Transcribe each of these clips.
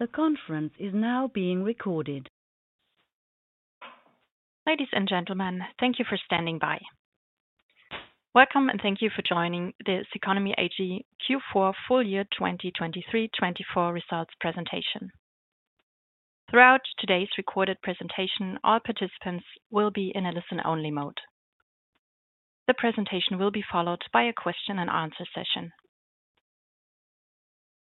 The conference is now being recorded. Ladies and gentlemen, thank you for standing by. Welcome and thank you for joining this Ceconomy AG Q4 full year 2023-2024 results presentation. Throughout today's recorded presentation, all participants will be in a listen-only mode. The presentation will be followed by a question-and-answer session.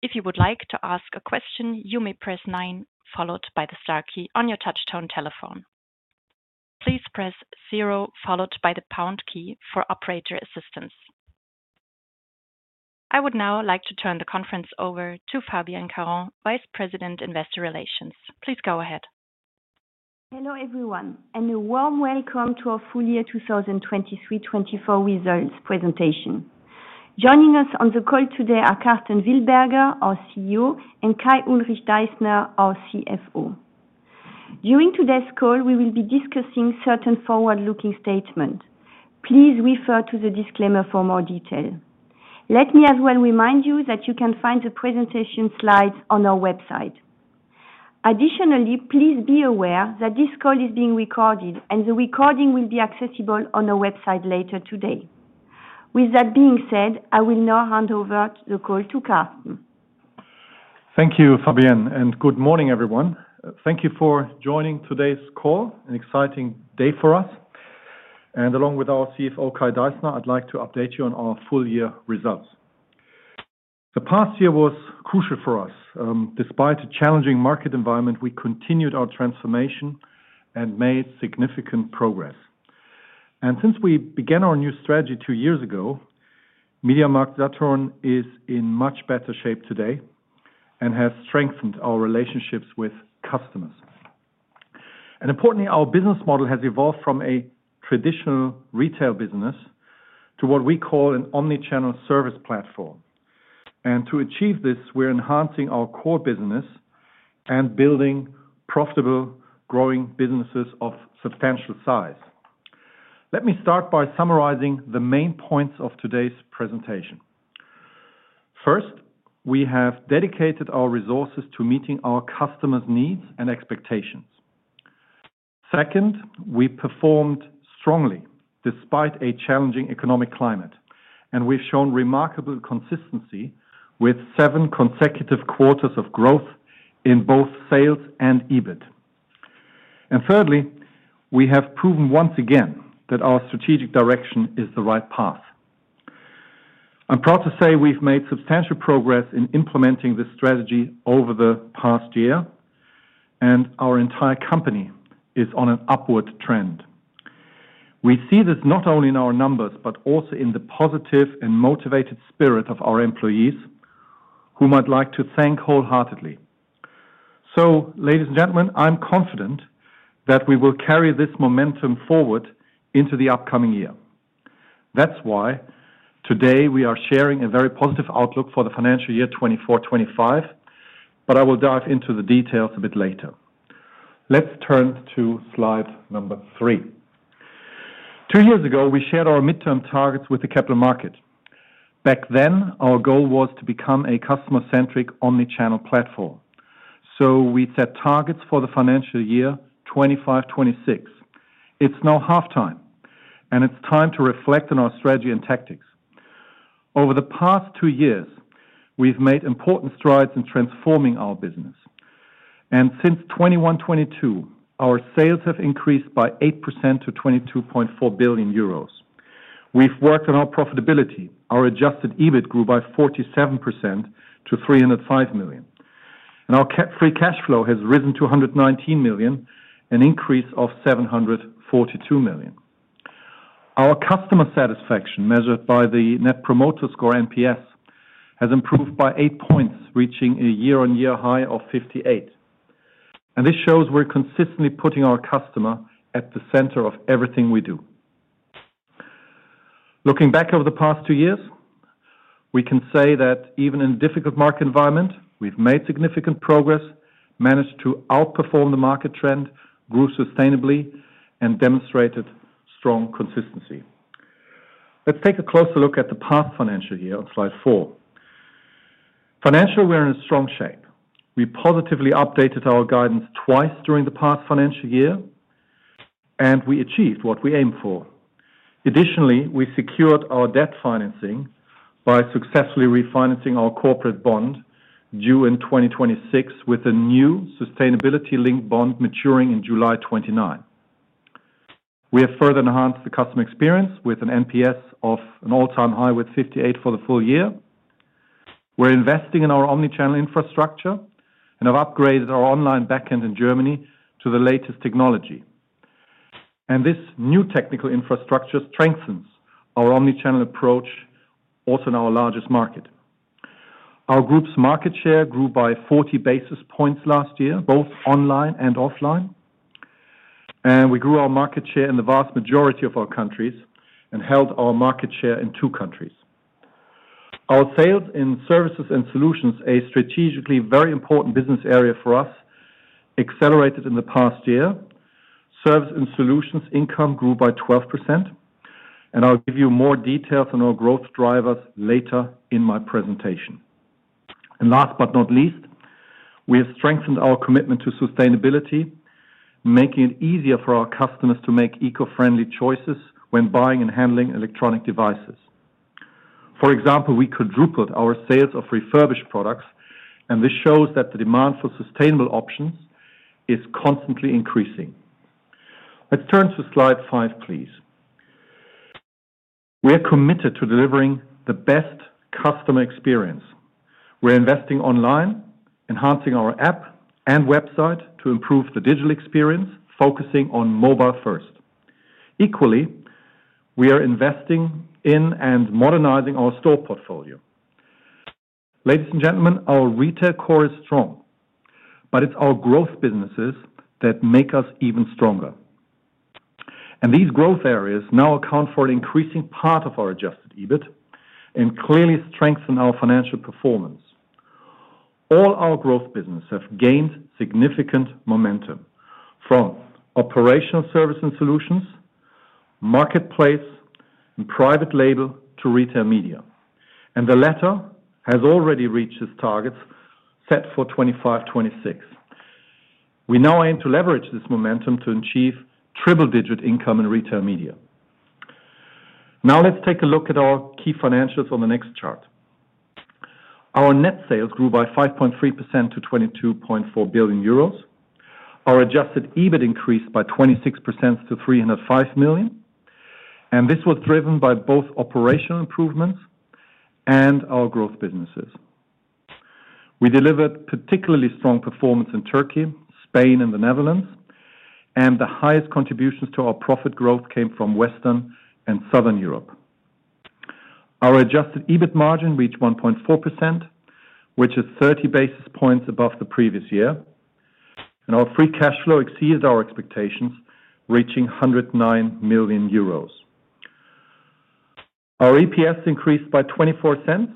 If you would like to ask a question, you may press nine followed by the star key on your touch-tone telephone. Please press zero followed by the pound key for operator assistance. I would now like to turn the conference over to Fabienne Caron, Vice President Investor Relations. Please go ahead. Hello everyone, and a warm welcome to our Full Year 2023-2024 Results Presentation. Joining us on the call today are Karsten Wildberger, our CEO, and Kai-Ulrich Deissner, our CFO. During today's call, we will be discussing certain forward-looking statements. Please refer to the disclaimer for more detail. Let me as well remind you that you can find the presentation slides on our website. Additionally, please be aware that this call is being recorded and the recording will be accessible on our website later today. With that being said, I will now hand over the call to Karsten. Thank you, Fabienne, and good morning everyone. Thank you for joining today's call. An exciting day for us. And along with our CFO, Kai-Ulrich Deissner, I'd like to update you on our full year results. The past year was crucial for us. Despite a challenging market environment, we continued our transformation and made significant progress. And since we began our new strategy two years ago, MediaMarktSaturn is in much better shape today and has strengthened our relationships with customers. And importantly, our business model has evolved from a traditional retail business to what we call an omnichannel service platform. And to achieve this, we're enhancing our core business and building profitable, growing businesses of substantial size. Let me start by summarizing the main points of today's presentation. First, we have dedicated our resources to meeting our customers' needs and expectations. Second, we performed strongly despite a challenging economic climate, and we've shown remarkable consistency with seven consecutive quarters of growth in both sales and EBIT. And thirdly, we have proven once again that our strategic direction is the right path. I'm proud to say we've made substantial progress in implementing this strategy over the past year, and our entire company is on an upward trend. We see this not only in our numbers, but also in the positive and motivated spirit of our employees, whom I'd like to thank wholeheartedly. So, ladies and gentlemen, I'm confident that we will carry this momentum forward into the upcoming year. That's why today we are sharing a very positive outlook for the financial year 2024-2025, but I will dive into the details a bit later. Let's turn to Slide 3. Two years ago, we shared our midterm targets with the capital market. Back then, our goal was to become a customer-centric omnichannel platform. So we set targets for the financial year 2025-2026. It's now halftime, and it's time to reflect on our strategy and tactics. Over the past two years, we've made important strides in transforming our business. And since 2021-2022, our sales have increased by 8% to 22.4 billion euros. We've worked on our profitability. Our Adjusted EBIT grew by 47% to 305 million. And our Free Cash Flow has risen to 119 million, an increase of 742 million. Our customer satisfaction, measured by the Net Promoter Score (NPS), has improved by eight points, reaching a year-on-year high of 58. And this shows we're consistently putting our customer at the center of everything we do. Looking back over the past two years, we can say that even in a difficult market environment, we've made significant progress, managed to outperform the market trend, grew sustainably, and demonstrated strong consistency. Let's take a closer look at the past financial year on Slide 4. Financially, we're in strong shape. We positively updated our guidance twice during the past financial year, and we achieved what we aimed for. Additionally, we secured our debt financing by successfully refinancing our corporate bond due in 2026, with a new sustainability-linked bond maturing in July 2029. We have further enhanced the customer experience with an NPS of an all-time high with 58 for the full year. We're investing in our omnichannel infrastructure and have upgraded our online backend in Germany to the latest technology, and this new technical infrastructure strengthens our omnichannel approach, also in our largest market. Our group's market share grew by 40 basis points last year, both online and offline, and we grew our market share in the vast majority of our countries and held our market share in two countries. Our sales in services and solutions, a strategically very important business area for us, accelerated in the past year. Service and solutions income grew by 12%, and I'll give you more details on our growth drivers later in my presentation, and last but not least, we have strengthened our commitment to sustainability, making it easier for our customers to make eco-friendly choices when buying and handling electronic devices. For example, we quadrupled our sales of refurbished products, and this shows that the demand for sustainable options is constantly increasing. Let's turn to Slide 5, please. We are committed to delivering the best customer experience. We're investing online, enhancing our app and website to improve the digital experience, focusing on mobile first. Equally, we are investing in and modernizing our store portfolio. Ladies and gentlemen, our retail core is strong, but it's our growth businesses that make us even stronger. And these growth areas now account for an increasing part of our adjusted EBIT and clearly strengthen our financial performance. All our growth businesses have gained significant momentum from operational service and solutions, marketplace, and private label to retail media. And the latter has already reached its targets set for 2025-2026. We now aim to leverage this momentum to achieve triple-digit income in retail media. Now let's take a look at our key financials on the next chart. Our net sales grew by 5.3% to 22.4 billion euros. Our adjusted EBIT increased by 26% to 305 million. This was driven by both operational improvements and our growth businesses. We delivered particularly strong performance in Turkey, Spain, and the Netherlands. The highest contributions to our profit growth came from Western and Southern Europe. Our adjusted EBIT margin reached 1.4%, which is 30 basis points above the previous year. Our free cash flow exceeded our expectations, reaching 109 million euros. Our EPS increased by 0.24,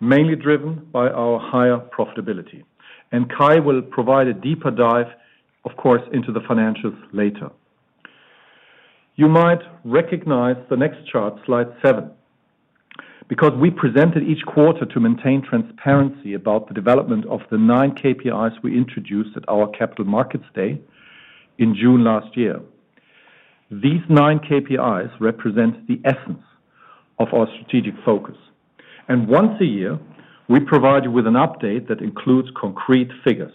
mainly driven by our higher profitability. Kai will provide a deeper dive, of course, into the financials later. You might recognize the next chart, Slide 7, because we presented each quarter to maintain transparency about the development of the nine KPIs we introduced at our capital markets day in June last year. These nine KPIs represent the essence of our strategic focus. Once a year, we provide you with an update that includes concrete figures.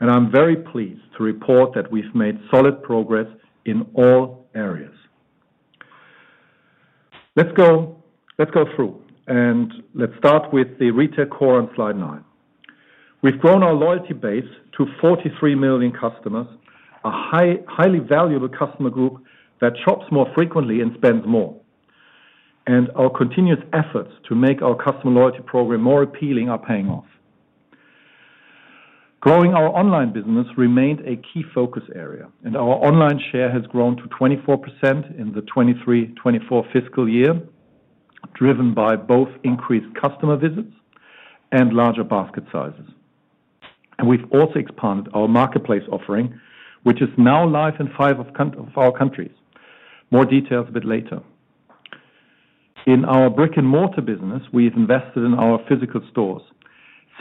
I'm very pleased to report that we've made solid progress in all areas. Let's go through, and let's start with the retail core on Slide 9. We've grown our loyalty base to 43 million customers, a highly valuable customer group that shops more frequently and spends more. Our continuous efforts to make our customer loyalty program more appealing are paying off. Growing our online business remained a key focus area, and our online share has grown to 24% in the 2023-2024 fiscal year, driven by both increased customer visits and larger basket sizes. We've also expanded our marketplace offering, which is now live in five of our countries. More details a bit later. In our brick-and-mortar business, we've invested in our physical stores.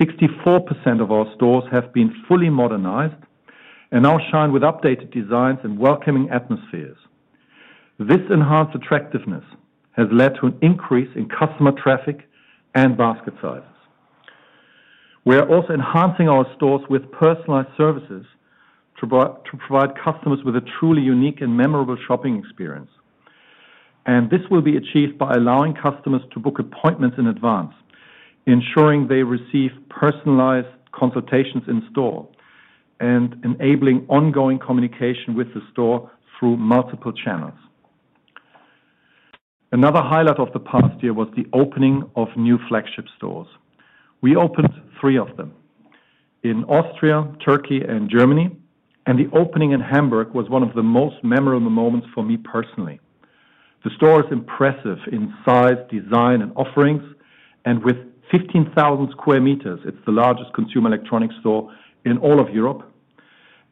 64% of our stores have been fully modernized and now shine with updated designs and welcoming atmospheres. This enhanced attractiveness has led to an increase in customer traffic and basket sizes. We are also enhancing our stores with personalized services to provide customers with a truly unique and memorable shopping experience. And this will be achieved by allowing customers to book appointments in advance, ensuring they receive personalized consultations in store, and enabling ongoing communication with the store through multiple channels. Another highlight of the past year was the opening of new flagship stores. We opened three of them in Austria, Turkey, and Germany, and the opening in Hamburg was one of the most memorable moments for me personally. The store is impressive in size, design, and offerings, and with 15,000 square meters, it's the largest consumer electronics store in all of Europe,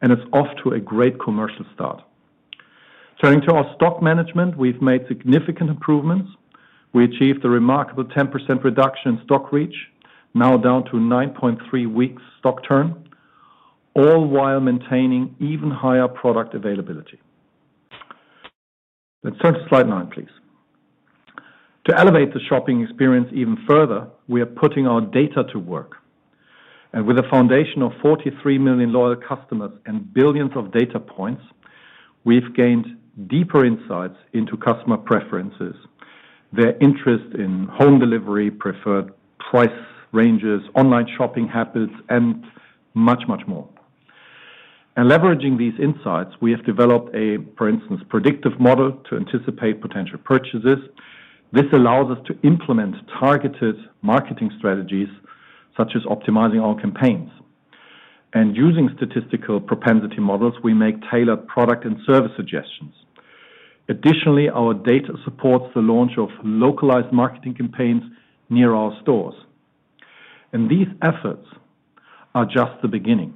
and it's off to a great commercial start. Turning to our stock management, we've made significant improvements. We achieved a remarkable 10% reduction in stock reach, now down to 9.3 weeks stock turn, all while maintaining even higher product availability. Let's turn to Slide 9, please. To elevate the shopping experience even further, we are putting our data to work. And with a foundation of 43 million loyal customers and billions of data points, we've gained deeper insights into customer preferences, their interest in home delivery, preferred price ranges, online shopping habits, and much, much more. And leveraging these insights, we have developed a, for instance, predictive model to anticipate potential purchases. This allows us to implement targeted marketing strategies, such as optimizing our campaigns. And using statistical propensity models, we make tailored product and service suggestions. Additionally, our data supports the launch of localized marketing campaigns near our stores. And these efforts are just the beginning.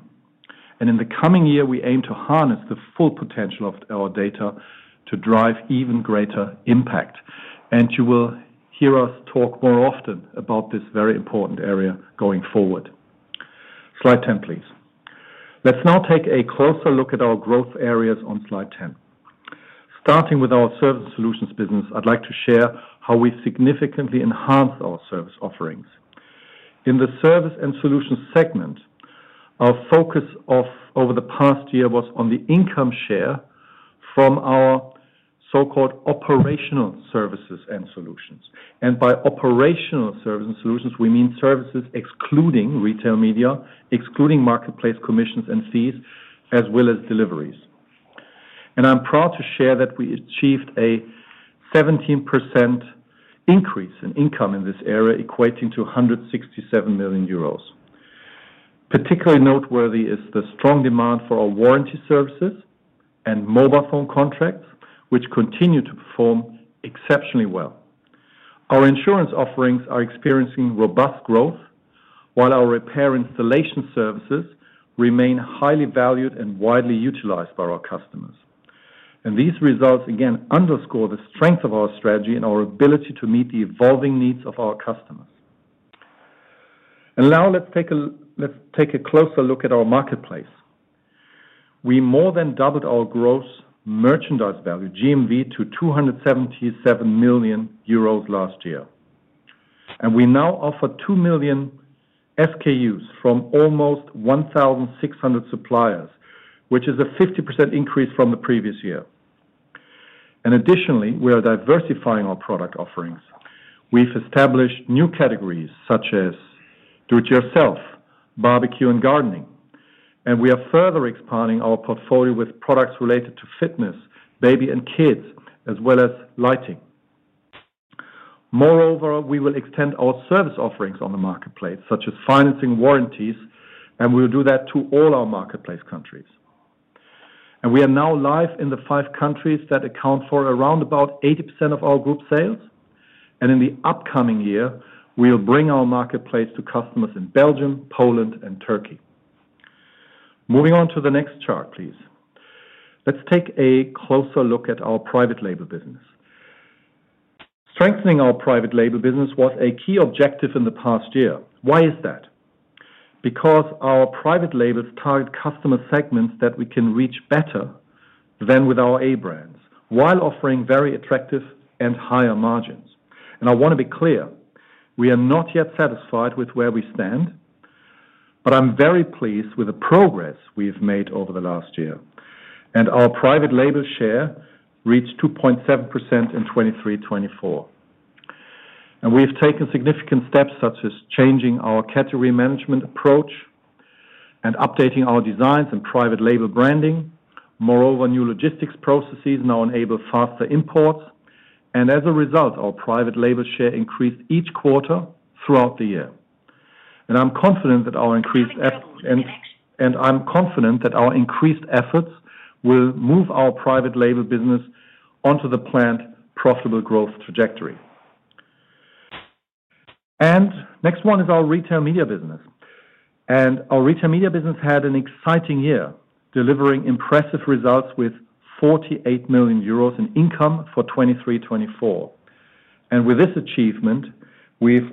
In the coming year, we aim to harness the full potential of our data to drive even greater impact. You will hear us talk more often about this very important area going forward. Slide 10, please. Let's now take a closer look at our growth areas on Slide 10. Starting with our service and solutions business, I'd like to share how we've significantly enhanced our service offerings. In the service and solutions segment, our focus over the past year was on the income share from our so-called operational services and solutions. By operational service and solutions, we mean services excluding retail media, excluding marketplace commissions and fees, as well as deliveries. I'm proud to share that we achieved a 17% increase in income in this area, equating to 167 million euros. Particularly noteworthy is the strong demand for our warranty services and mobile phone contracts, which continue to perform exceptionally well. Our insurance offerings are experiencing robust growth, while our repair installation services remain highly valued and widely utilized by our customers. And these results, again, underscore the strength of our strategy and our ability to meet the evolving needs of our customers. And now let's take a closer look at our marketplace. We more than doubled our gross merchandise value, GMV, to 277 million euros last year. And we now offer 2 million SKUs from almost 1,600 suppliers, which is a 50% increase from the previous year. And additionally, we are diversifying our product offerings. We've established new categories such as do-it-yourself, barbecue, and gardening. And we are further expanding our portfolio with products related to fitness, baby, and kids, as well as lighting. Moreover, we will extend our service offerings on the marketplace, such as financing warranties, and we will do that to all our marketplace countries. And we are now live in the five countries that account for around about 80% of our group sales. And in the upcoming year, we will bring our marketplace to customers in Belgium, Poland, and Turkey. Moving on to the next chart, please. Let's take a closer look at our private label business. Strengthening our private label business was a key objective in the past year. Why is that? Because our private labels target customer segments that we can reach better than with our A-brands, while offering very attractive and higher margins. And I want to be clear, we are not yet satisfied with where we stand, but I'm very pleased with the progress we've made over the last year. Our private label share reached 2.7% in 2023-2024. We've taken significant steps, such as changing our category management approach and updating our designs and private label branding. Moreover, new logistics processes now enable faster imports. As a result, our private label share increased each quarter throughout the year. I'm confident that our increased efforts will move our private label business onto the planned profitable growth trajectory. Next one is our retail media business. Our retail media business had an exciting year, delivering impressive results with 48 million euros in income for 2023-2024. With this achievement, we've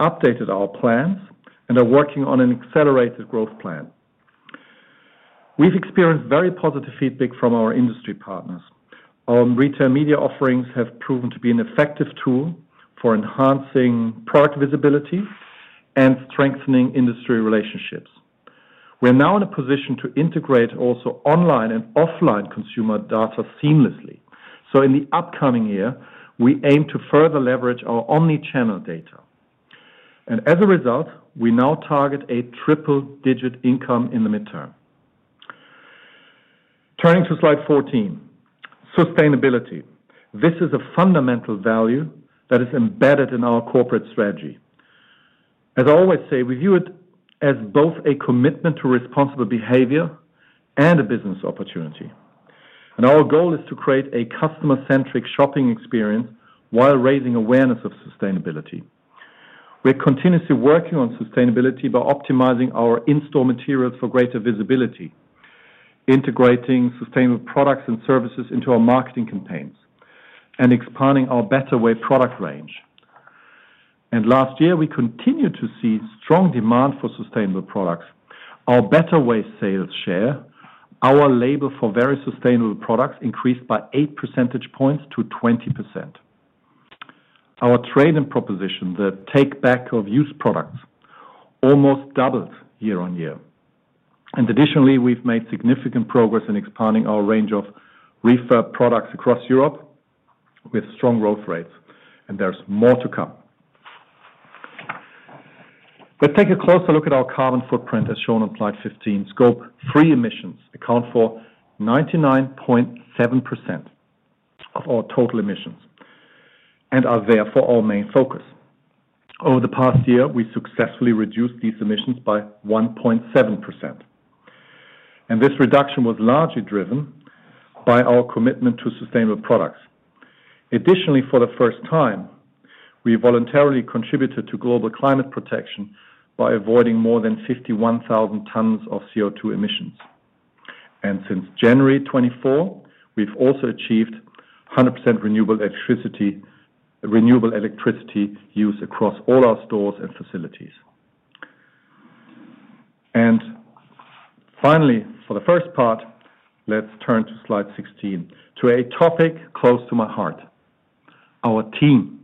updated our plans and are working on an accelerated growth plan. We've experienced very positive feedback from our industry partners. Our retail media offerings have proven to be an effective tool for enhancing product visibility and strengthening industry relationships. We're now in a position to integrate also online and offline consumer data seamlessly, so in the upcoming year, we aim to further leverage our omnichannel data, and as a result, we now target a triple-digit income in the midterm. Turning to Slide 14. Sustainability. This is a fundamental value that is embedded in our corporate strategy. As I always say, we view it as both a commitment to responsible behavior and a business opportunity, and our goal is to create a customer-centric shopping experience while raising awareness of sustainability. We're continuously working on sustainability by optimizing our in-store materials for greater visibility, integrating sustainable products and services into our marketing campaigns, and expanding our BetterWay product range, and last year, we continued to see strong demand for sustainable products. Our BetterWay sales share, our label for very sustainable products, increased by 8 percentage points to 20%. Our trade-in proposition, the take-back of used products, almost doubled year on year. And additionally, we've made significant progress in expanding our range of refurbished products across Europe with strong growth rates. And there's more to come. Let's take a closer look at our carbon footprint, as shown on Slide 15. Scope 3 emissions account for 99.7% of our total emissions and are therefore our main focus. Over the past year, we successfully reduced these emissions by 1.7%. And this reduction was largely driven by our commitment to sustainable products. Additionally, for the first time, we voluntarily contributed to global climate protection by avoiding more than 51,000 tons of CO2 emissions. And since January 24, we've also achieved 100% renewable electricity use across all our stores and facilities. And finally, for the first part, let's turn to Slide 16, to a topic close to my heart, our team.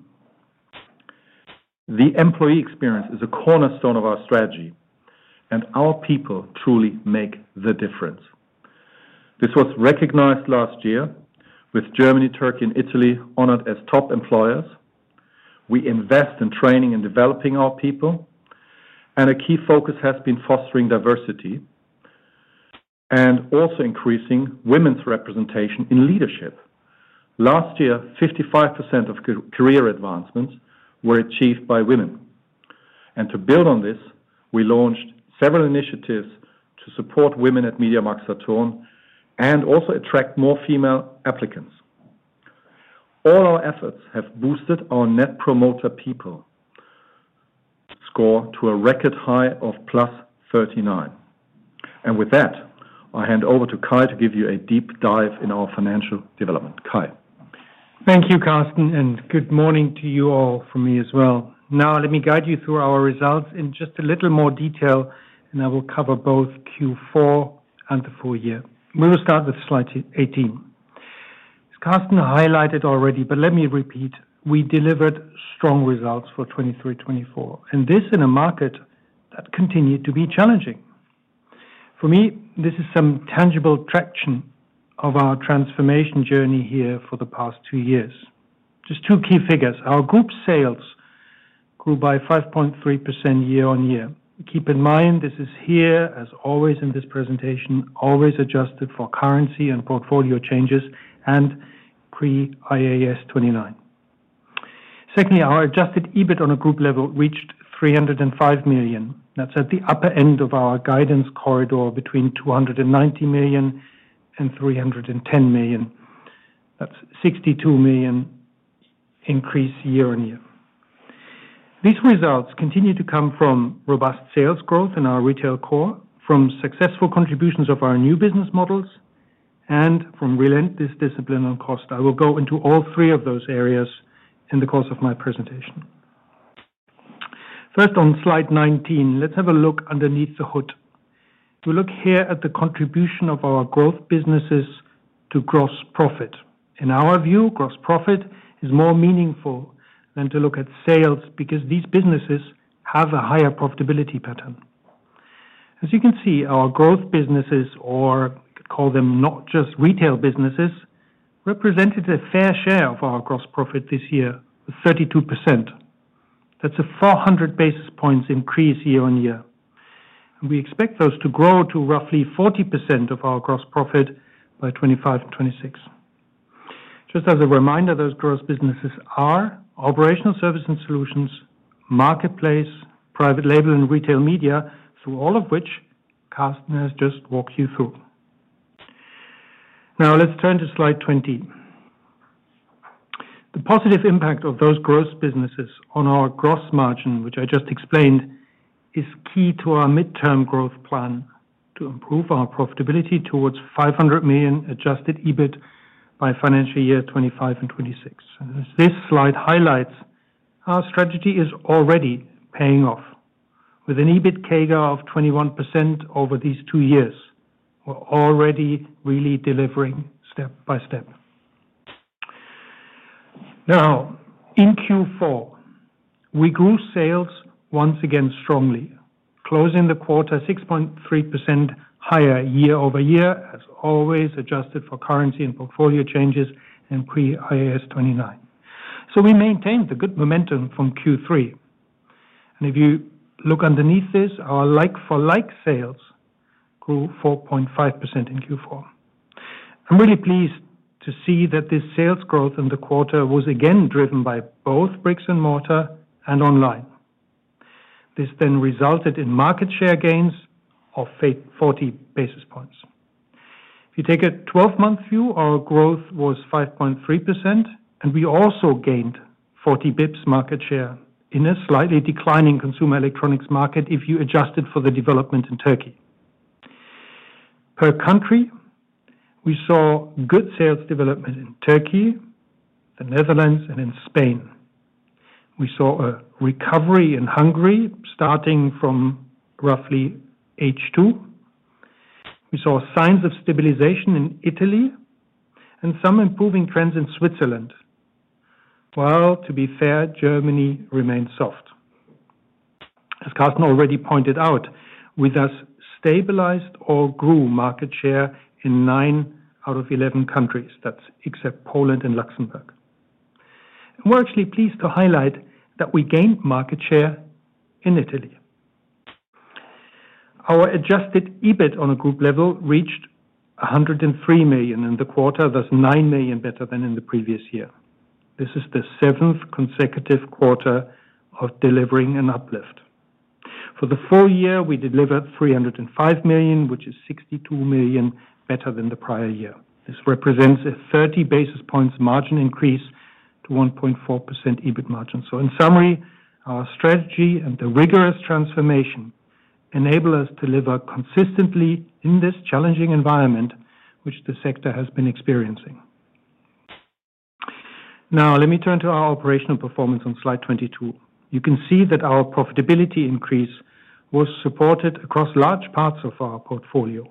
The employee experience is a cornerstone of our strategy, and our people truly make the difference. This was recognized last year with Germany, Turkey, and Italy honored as top employers. We invest in training and developing our people, and a key focus has been fostering diversity and also increasing women's representation in leadership. Last year, 55% of career advancements were achieved by women. And to build on this, we launched several initiatives to support women at MediaMarktSaturn and also attract more female applicants. All our efforts have boosted our Net Promoter People Score to a record high of plus 39. And with that, I hand over to Kai to give you a deep dive in our financial development. Kai. Thank you, Karsten, and good morning to you all from me as well. Now, let me guide you through our results in just a little more detail, and I will cover both Q4 and the full year. We will start with Slide 18. As Karsten highlighted already, but let me repeat, we delivered strong results for 2023-24, and this in a market that continued to be challenging. For me, this is some tangible traction of our transformation journey here for the past two years. Just two key figures. Our group sales grew by 5.3% year on year. Keep in mind, this is here, as always in this presentation, always adjusted for currency and portfolio changes and pre-IAS 29. Secondly, our adjusted EBIT on a group level reached 305 million. That's at the upper end of our guidance corridor between 290 million and 310 million. That's a 62 million increase year on year. These results continue to come from robust sales growth in our retail core, from successful contributions of our new business models, and from relentless discipline on cost. I will go into all three of those areas in the course of my presentation. First, on Slide 19, let's have a look underneath the hood. We look here at the contribution of our growth businesses to gross profit. In our view, gross profit is more meaningful than to look at sales because these businesses have a higher profitability pattern. As you can see, our growth businesses, or we could call them not just retail businesses, represented a fair share of our gross profit this year, 32%. That's a 400 basis points increase year on year. And we expect those to grow to roughly 40% of our gross profit by 2025-2026. Just as a reminder, those growth businesses are operational service and solutions, marketplace, private label, and retail media, through all of which Karsten has just walked you through. Now, let's turn to Slide 20. The positive impact of those growth businesses on our gross margin, which I just explained, is key to our midterm growth plan to improve our profitability towards 500 million adjusted EBIT by financial year 2025-2026. And as this slide highlights, our strategy is already paying off. With an EBIT CAGR of 21% over these two years, we're already really delivering step by step. Now, in Q4, we grew sales once again strongly, closing the quarter 6.3% higher year over year, as always adjusted for currency and portfolio changes and pre-IAS 29. So we maintained the good momentum from Q3. And if you look underneath this, our like-for-like sales grew 4.5% in Q4. I'm really pleased to see that this sales growth in the quarter was again driven by both bricks and mortar and online. This then resulted in market share gains of 40 basis points. If you take a 12-month view, our growth was 5.3%, and we also gained 40 basis points market share in a slightly declining consumer electronics market if you adjusted for the development in Turkey. Per country, we saw good sales development in Turkey, the Netherlands, and in Spain. We saw a recovery in Hungary starting from roughly H2. We saw signs of stabilization in Italy and some improving trends in Switzerland. While, to be fair, Germany remained soft. As Karsten already pointed out, we thus stabilized or grew market share in nine out of 11 countries. That's except Poland and Luxembourg, and we're actually pleased to highlight that we gained market share in Italy. Our adjusted EBIT on a group level reached 103 million in the quarter, thus 9 million better than in the previous year. This is the seventh consecutive quarter of delivering an uplift. For the full year, we delivered 305 million, which is 62 million better than the prior year. This represents a 30 basis points margin increase to 1.4% EBIT margin. So in summary, our strategy and the rigorous transformation enable us to deliver consistently in this challenging environment, which the sector has been experiencing. Now, let me turn to our operational performance on Slide 22. You can see that our profitability increase was supported across large parts of our portfolio.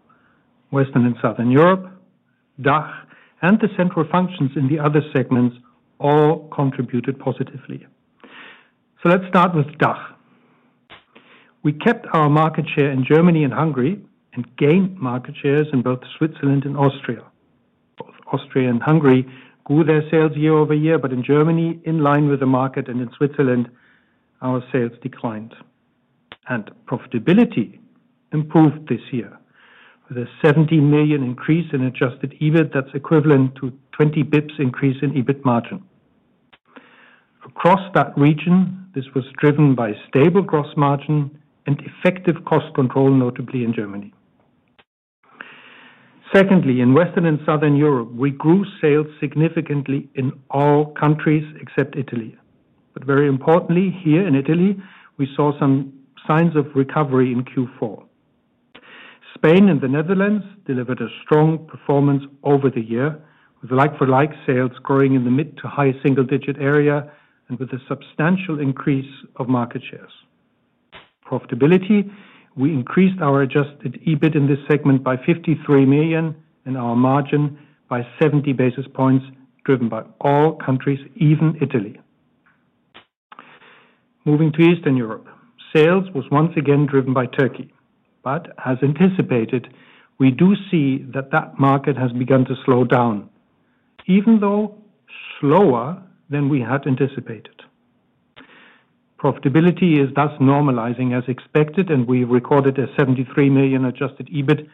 Western and Southern Europe, DACH, and the central functions in the other segments all contributed positively. So let's start with DACH. We kept our market share in Germany and Hungary and gained market shares in both Switzerland and Austria. Both Austria and Hungary grew their sales year over year, but in Germany, in line with the market, and in Switzerland, our sales declined, and profitability improved this year with a 70 million increase in adjusted EBIT. That's equivalent to 20 basis points increase in EBIT margin. Across that region, this was driven by stable gross margin and effective cost control, notably in Germany. Secondly, in Western and Southern Europe, we grew sales significantly in all countries except Italy, but very importantly, here in Italy, we saw some signs of recovery in Q4. Spain and the Netherlands delivered a strong performance over the year, with like-for-like sales growing in the mid- to high single-digit area and with a substantial increase of market shares. Profitability, we increased our adjusted EBIT in this segment by 53 million and our margin by 70 basis points, driven by all countries, even Italy. Moving to Eastern Europe, sales was once again driven by Turkey. But as anticipated, we do see that that market has begun to slow down, even though slower than we had anticipated. Profitability is thus normalizing as expected, and we recorded 73 million adjusted EBIT.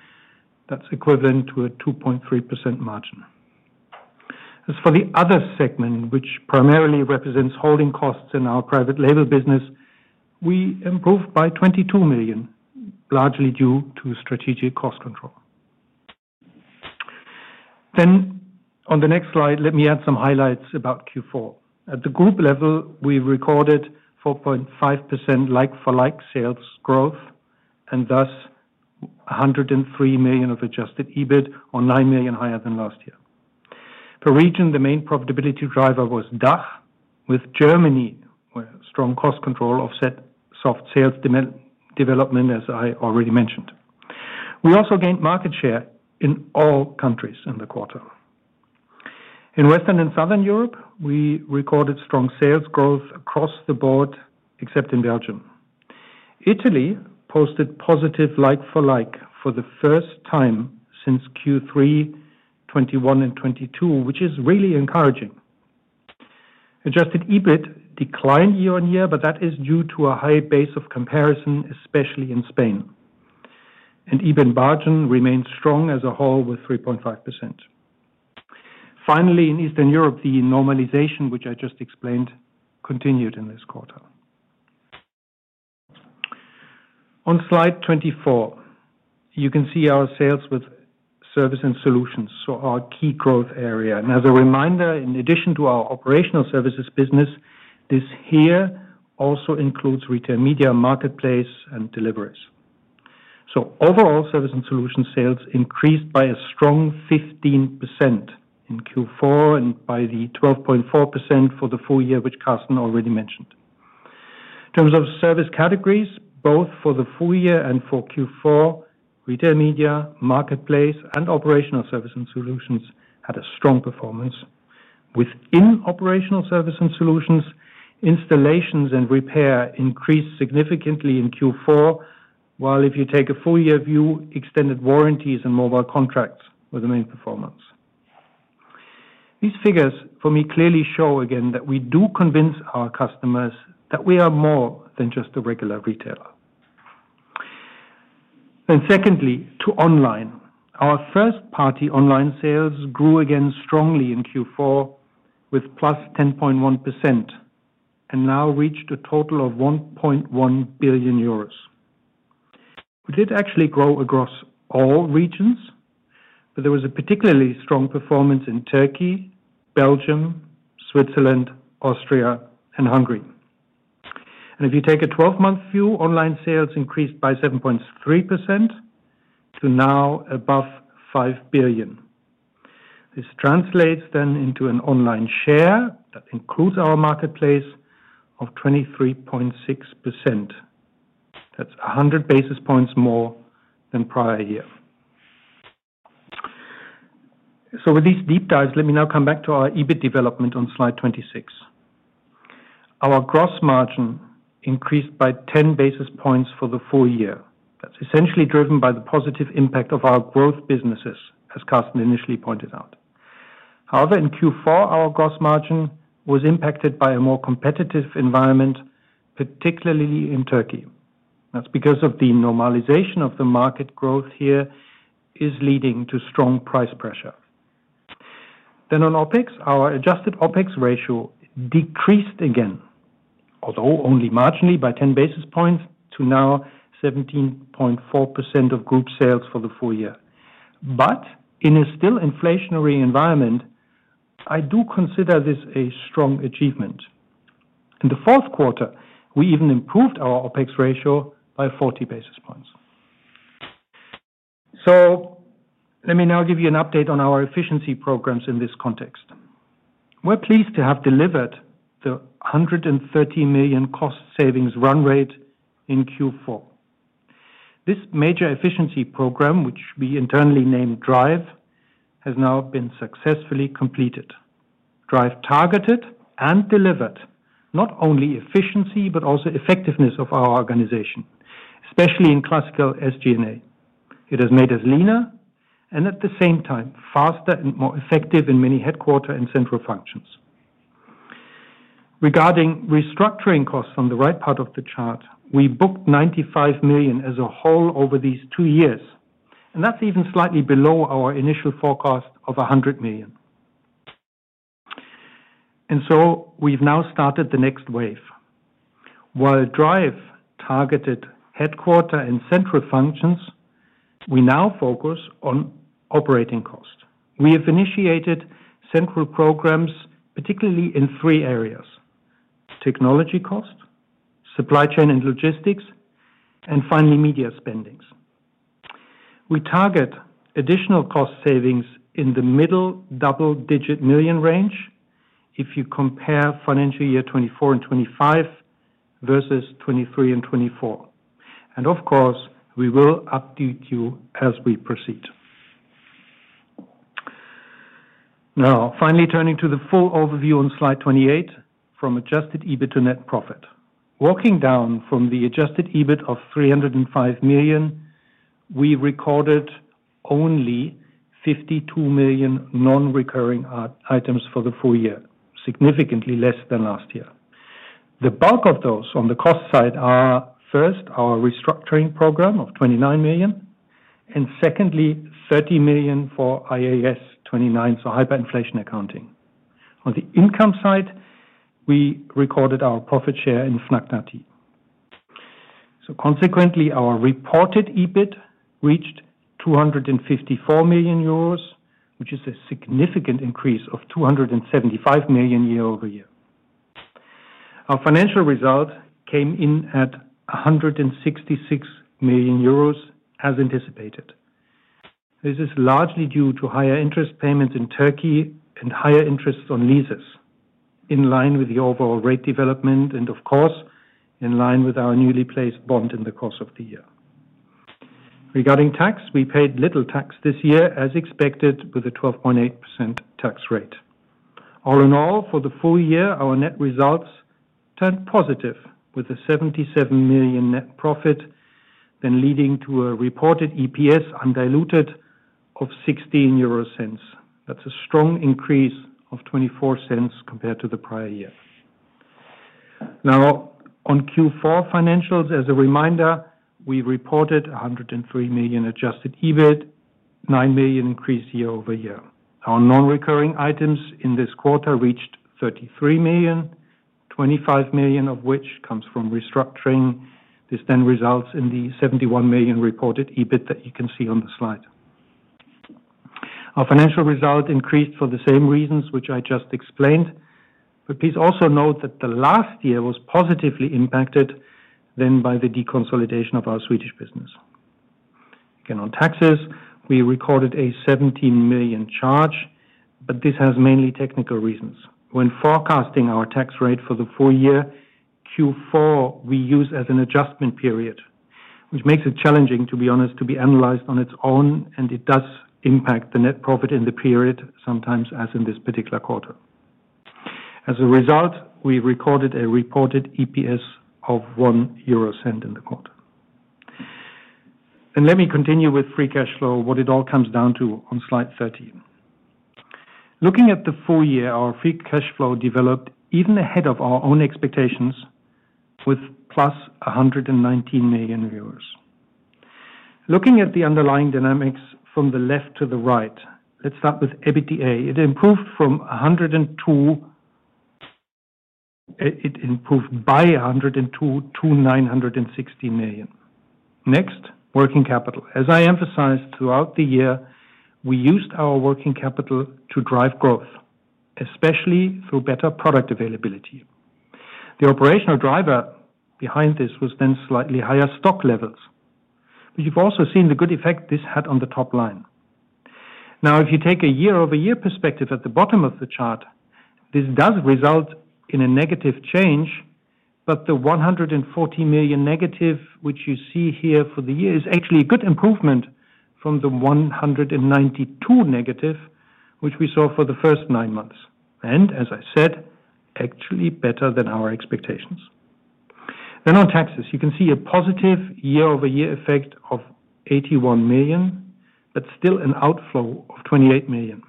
That's equivalent to a 2.3% margin. As for the other segment, which primarily represents holding costs in our private label business, we improved by 22 million, largely due to strategic cost control. Then, on the next slide, let me add some highlights about Q4. At the group level, we recorded 4.5% like-for-like sales growth and thus 103 million of adjusted EBIT, or 9 million higher than last year. Per region, the main profitability driver was DACH, with Germany, where strong cost control offset soft sales development, as I already mentioned. We also gained market share in all countries in the quarter. In Western and Southern Europe, we recorded strong sales growth across the board, except in Belgium. Italy posted positive like-for-like for the first time since Q3 2021 and 2022, which is really encouraging. Adjusted EBIT declined year on year, but that is due to a high base of comparison, especially in Spain, and EBIT margin remained strong as a whole with 3.5%. Finally, in Eastern Europe, the normalization, which I just explained, continued in this quarter. On Slide 24, you can see our sales with service and solutions, so our key growth area, and as a reminder, in addition to our operational services business, this here also includes retail media, marketplace, and deliveries, so overall, service and solution sales increased by a strong 15% in Q4 and by 12.4% for the full year, which Karsten already mentioned. In terms of service categories, both for the full year and for Q4, retail media, marketplace, and operational service and solutions had a strong performance. Within operational service and solutions, installations and repair increased significantly in Q4, while if you take a full year view, extended warranties and mobile contracts were the main performance. These figures, for me, clearly show again that we do convince our customers that we are more than just a regular retailer, and secondly, to online, our first-party online sales grew again strongly in Q4 with plus 10.1% and now reached a total of 1.1 billion euros. We did actually grow across all regions, but there was a particularly strong performance in Turkey, Belgium, Switzerland, Austria, and Hungary, and if you take a 12-month view, online sales increased by 7.3% to now above 5 billion. This translates then into an online share that includes our marketplace of 23.6%. That's 100 basis points more than prior year. So with these deep dives, let me now come back to our EBIT development on Slide 26. Our gross margin increased by 10 basis points for the full year. That's essentially driven by the positive impact of our growth businesses, as Karsten initially pointed out. However, in Q4, our gross margin was impacted by a more competitive environment, particularly in Turkey. That's because of the normalization of the market growth here is leading to strong price pressure. Then on OpEx, our adjusted OpEx ratio decreased again, although only marginally by 10 basis points to now 17.4% of group sales for the full year. But in a still inflationary environment, I do consider this a strong achievement. In the fourth quarter, we even improved our OpEx ratio by 40 basis points. Let me now give you an update on our efficiency programs in this context. We're pleased to have delivered the 130 million cost savings run rate in Q4. This major efficiency program, which we internally named DRIVE, has now been successfully completed. DRIVE targeted and delivered not only efficiency, but also effectiveness of our organization, especially in classical SG&A. It has made us leaner and at the same time faster and more effective in many headquarters and central functions. Regarding restructuring costs on the right part of the chart, we booked 95 million as a whole over these two years, and that's even slightly below our initial forecast of 100 million. We've now started the next wave. While DRIVE targeted headquarters and central functions, we now focus on operating cost. We have initiated central programs, particularly in three areas: technology cost, supply chain and logistics, and finally media spending. We target additional cost savings in the middle double-digit million range if you compare financial year 2024 and 2025 versus 2023 and 2024. And of course, we will update you as we proceed. Now, finally turning to the full overview on Slide 28 from adjusted EBIT to net profit. Walking down from the adjusted EBIT of 305 million, we recorded only 52 million non-recurring items for the full year, significantly less than last year. The bulk of those on the cost side are first our restructuring program of 29 million, and secondly 30 million for IAS 29, so hyperinflation accounting. On the income side, we recorded our profit share in Fnac Darty. So consequently, our reported EBIT reached 254 million euros, which is a significant increase of 275 million EUR year over year. Our financial result came in at 166 million euros as anticipated. This is largely due to higher interest payments in Turkey and higher interest on leases, in line with the overall rate development and of course, in line with our newly placed bond in the course of the year. Regarding tax, we paid little tax this year as expected with a 12.8% tax rate. All in all, for the full year, our net results turned positive with a 77 million EUR net profit, then leading to a reported EPS undiluted of 0.16 EUR. That's a strong increase of 0.24 EUR compared to the prior year. Now, on Q4 financials, as a reminder, we reported 103 million EUR adjusted EBIT, 9 million EUR increase year over year. Our non-recurring items in this quarter reached 33 million, 25 million of which comes from restructuring. This then results in the 71 million reported EBIT that you can see on the slide. Our financial result increased for the same reasons which I just explained, but please also note that the last year was positively impacted then by the deconsolidation of our Swedish business. Again, on taxes, we recorded a 17 million charge, but this has mainly technical reasons. When forecasting our tax rate for the full year, Q4 we use as an adjustment period, which makes it challenging, to be honest, to be analyzed on its own, and it does impact the net profit in the period, sometimes as in this particular quarter. As a result, we recorded a reported EPS of 0.01 in the quarter. Let me continue with free cash flow, what it all comes down to on Slide 13. Looking at the full year, our free cash flow developed even ahead of our own expectations with 119 million. Looking at the underlying dynamics from the left to the right, let's start with EBITDA. It improved by 102 million to 960 million. Next, working capital. As I emphasized throughout the year, we used our working capital to drive growth, especially through better product availability. The operational driver behind this was then slightly higher stock levels, but you've also seen the good effect this had on the top line. Now, if you take a year-over-year perspective at the bottom of the chart, this does result in a negative change, but the 140 million negative, which you see here for the year, is actually a good improvement from the 192 negative, which we saw for the first nine months. And as I said, actually better than our expectations. Then on taxes, you can see a positive year-over-year effect of 81 million, but still an outflow of 28 million.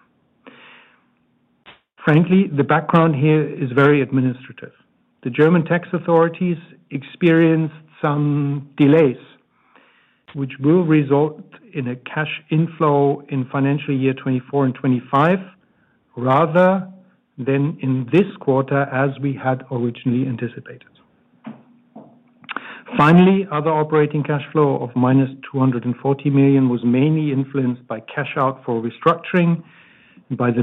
Frankly, the background here is very administrative. The German tax authorities experienced some delays, which will result in a cash inflow in financial year 2024 and 2025 rather than in this quarter as we had originally anticipated. Finally, other operating cash flow of minus 240 million was mainly influenced by cash-out for restructuring and by the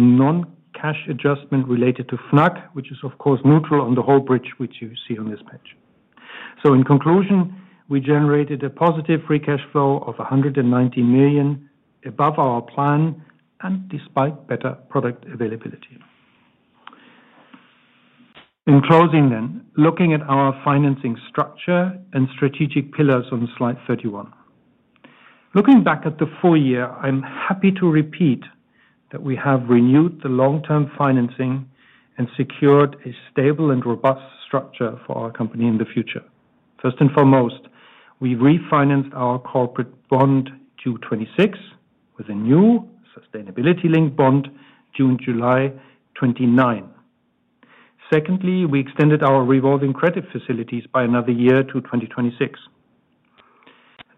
non-cash adjustment related to Fnac, which is of course neutral on the whole bridge, which you see on this page. So in conclusion, we generated a positive free cash flow of 190 million above our plan and despite better product availability. In closing then, looking at our financing structure and strategic pillars on Slide 31. Looking back at the full year, I'm happy to repeat that we have renewed the long-term financing and secured a stable and robust structure for our company in the future. First and foremost, we refinanced our corporate bond due 2026 with a new sustainability-linked bond due in July 2029. Secondly, we extended our revolving credit facilities by another year to 2026.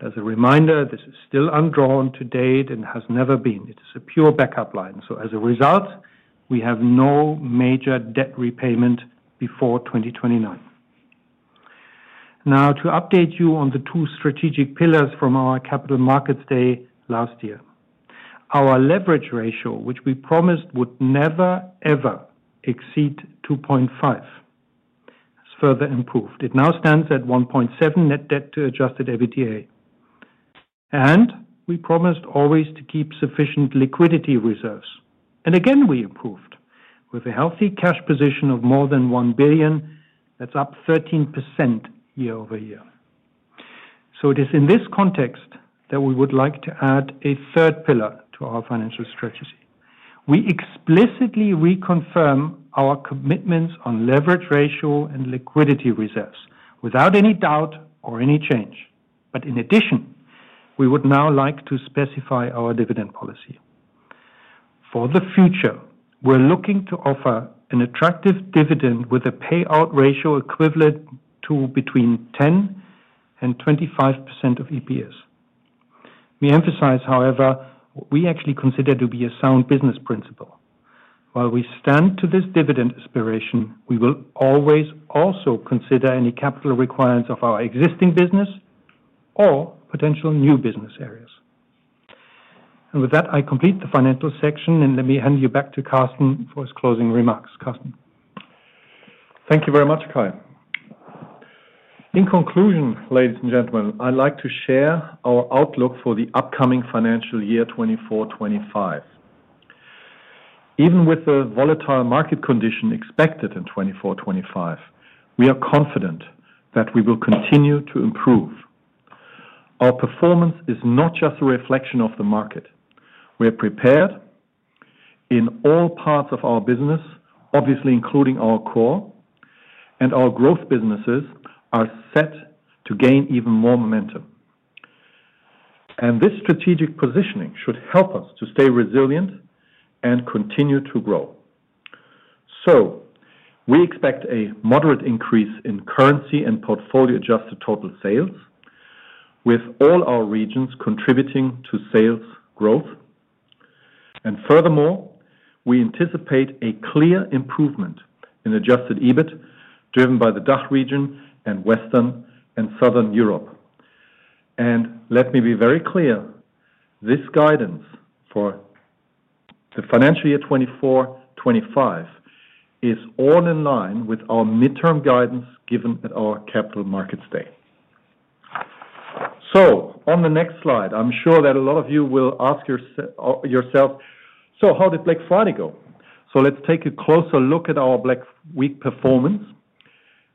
As a reminder, this is still undrawn to date and has never been. It is a pure backup line. So as a result, we have no major debt repayment before 2029. Now, to update you on the two strategic pillars from our capital markets day last year. Our leverage ratio, which we promised would never, ever exceed 2.5, has further improved. It now stands at 1.7 net debt to adjusted EBITDA. And we promised always to keep sufficient liquidity reserves. And again, we improved with a healthy cash position of more than 1 billion. That's up 13% year over year. So it is in this context that we would like to add a third pillar to our financial strategy. We explicitly reconfirm our commitments on leverage ratio and liquidity reserves without any doubt or any change. But in addition, we would now like to specify our dividend policy. For the future, we're looking to offer an attractive dividend with a payout ratio equivalent to between 10%-25% of EPS. We emphasize, however, what we actually consider to be a sound business principle. While we stand to this dividend aspiration, we will always also consider any capital requirements of our existing business or potential new business areas. And with that, I complete the financial section, and let me hand you back to Karsten for his closing remarks. Karsten. Thank you very much, Kai. In conclusion, ladies and gentlemen, I'd like to share our outlook for the upcoming financial year 2024-2025. Even with the volatile market condition expected in 2024-2025, we are confident that we will continue to improve. Our performance is not just a reflection of the market. We are prepared in all parts of our business, obviously including our core, and our growth businesses are set to gain even more momentum. And this strategic positioning should help us to stay resilient and continue to grow. So we expect a moderate increase in currency and portfolio adjusted total sales, with all our regions contributing to sales growth. And furthermore, we anticipate a clear improvement in adjusted EBIT driven by the DACH region and Western and Southern Europe. And let me be very clear, this guidance for the financial year 2024-2025 is all in line with our midterm guidance given at our capital markets day. So on the next slide, I'm sure that a lot of you will ask yourself, "So how did Black Friday go?" So let's take a closer look at our Black Week performance.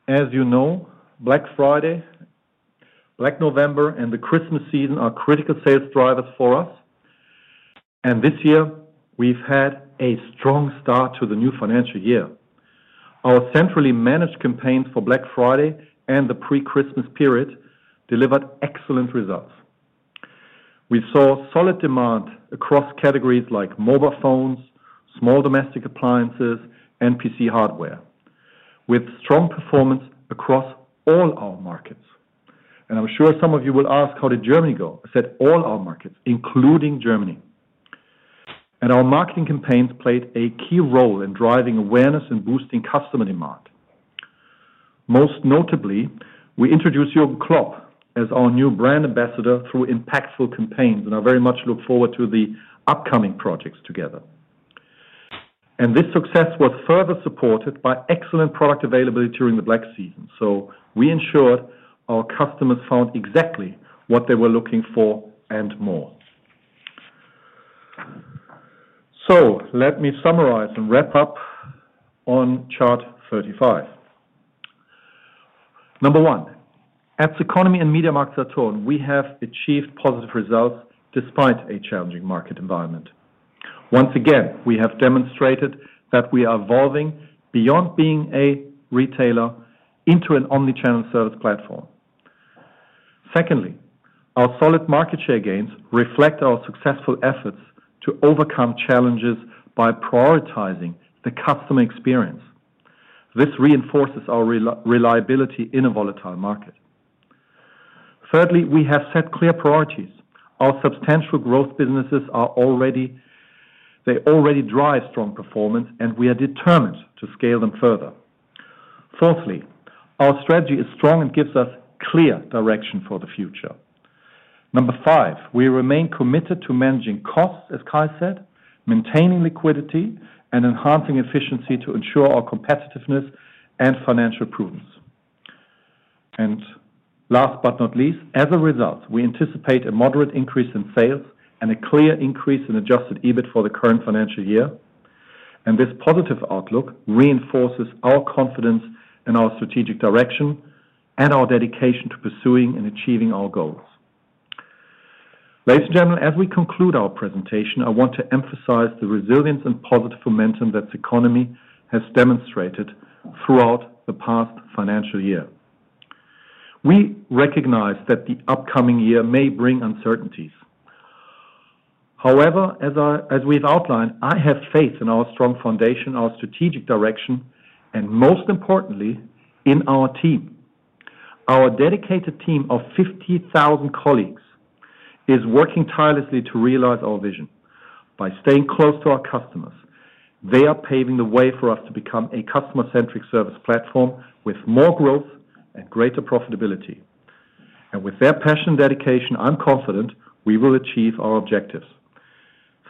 As you know, Black Friday, Black November, and the Christmas season are critical sales drivers for us. And this year, we've had a strong start to the new financial year. Our centrally managed campaigns for Black Friday and the pre-Christmas period delivered excellent results. We saw solid demand across categories like mobile phones, small domestic appliances, and PC hardware, with strong performance across all our markets. And I'm sure some of you will ask, "How did Germany go?" I said, "All our markets, including Germany." And our marketing campaigns played a key role in driving awareness and boosting customer demand. Most notably, we introduced Jürgen Klopp as our new brand ambassador through impactful campaigns and are very much looking forward to the upcoming projects together. And this success was further supported by excellent product availability during the Black season. We ensured our customers found exactly what they were looking for and more. So let me summarize and wrap up on chart 35. Number one, at Ceconomy and MediaMarktSaturn, we have achieved positive results despite a challenging market environment. Once again, we have demonstrated that we are evolving beyond being a retailer into an omnichannel service platform. Secondly, our solid market share gains reflect our successful efforts to overcome challenges by prioritizing the customer experience. This reinforces our reliability in a volatile market. Thirdly, we have set clear priorities. Our substantial growth businesses already drive strong performance, and we are determined to scale them further. Fourthly, our strategy is strong and gives us clear direction for the future. Number five, we remain committed to managing costs, as Kai said, maintaining liquidity, and enhancing efficiency to ensure our competitiveness and financial prudence. Last but not least, as a result, we anticipate a moderate increase in sales and a clear increase in Adjusted EBIT for the current financial year. This positive outlook reinforces our confidence in our strategic direction and our dedication to pursuing and achieving our goals. Ladies and gentlemen, as we conclude our presentation, I want to emphasize the resilience and positive momentum that Ceconomy has demonstrated throughout the past financial year. We recognize that the upcoming year may bring uncertainties. However, as we've outlined, I have faith in our strong foundation, our strategic direction, and most importantly, in our team. Our dedicated team of 50,000 colleagues is working tirelessly to realize our vision. By staying close to our customers, they are paving the way for us to become a customer-centric service platform with more growth and greater profitability. And with their passion and dedication, I'm confident we will achieve our objectives.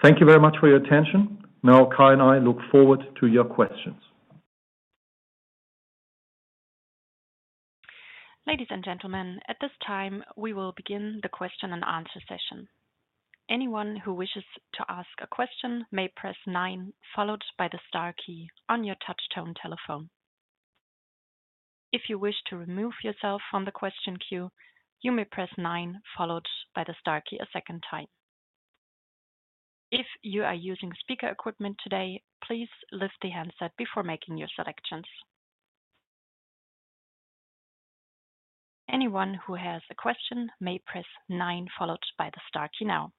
Thank you very much for your attention. Now, Kai and I look forward to your questions. Ladies and gentlemen, at this time, we will begin the question and answer session. Anyone who wishes to ask a question may press nine, followed by the star key on your touch-tone telephone. If you wish to remove yourself from the question queue, you may press nine, followed by the star key a second time. If you are using speaker equipment today, please lift the handset before making your selections. Anyone who has a question may press nine, followed by the star key now.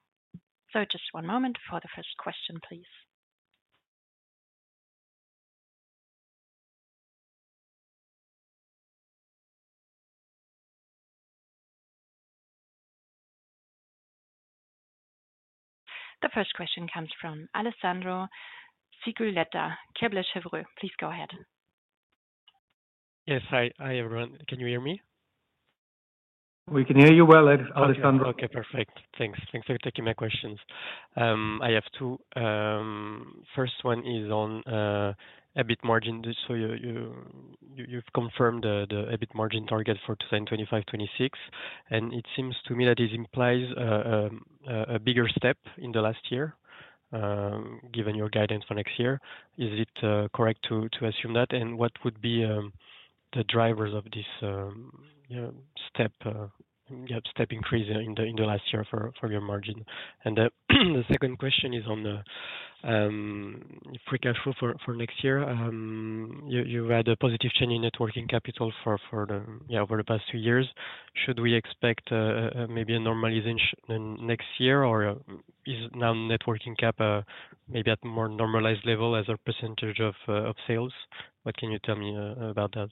So just one moment for the first question, please. The first question comes from Alessandro Cuglietta of Kepler Cheuvreux. Please go ahead. Yes, hi everyone. Can you hear me? We can hear you well, Alessandro. Okay, perfect. Thanks. Thanks for taking my questions. I have two. First one is on EBIT margin. So you've confirmed the EBIT margin target for 2025-2026. And it seems to me that it implies a bigger step in the last year, given your guidance for next year. Is it correct to assume that? And what would be the drivers of this step increase in the last year for your margin? And the second question is on free cash flow for next year. You had a positive change in working capital over the past two years. Should we expect maybe a normalization next year? Or is now working cap maybe at a more normalized level as a percentage of sales? What can you tell me about that?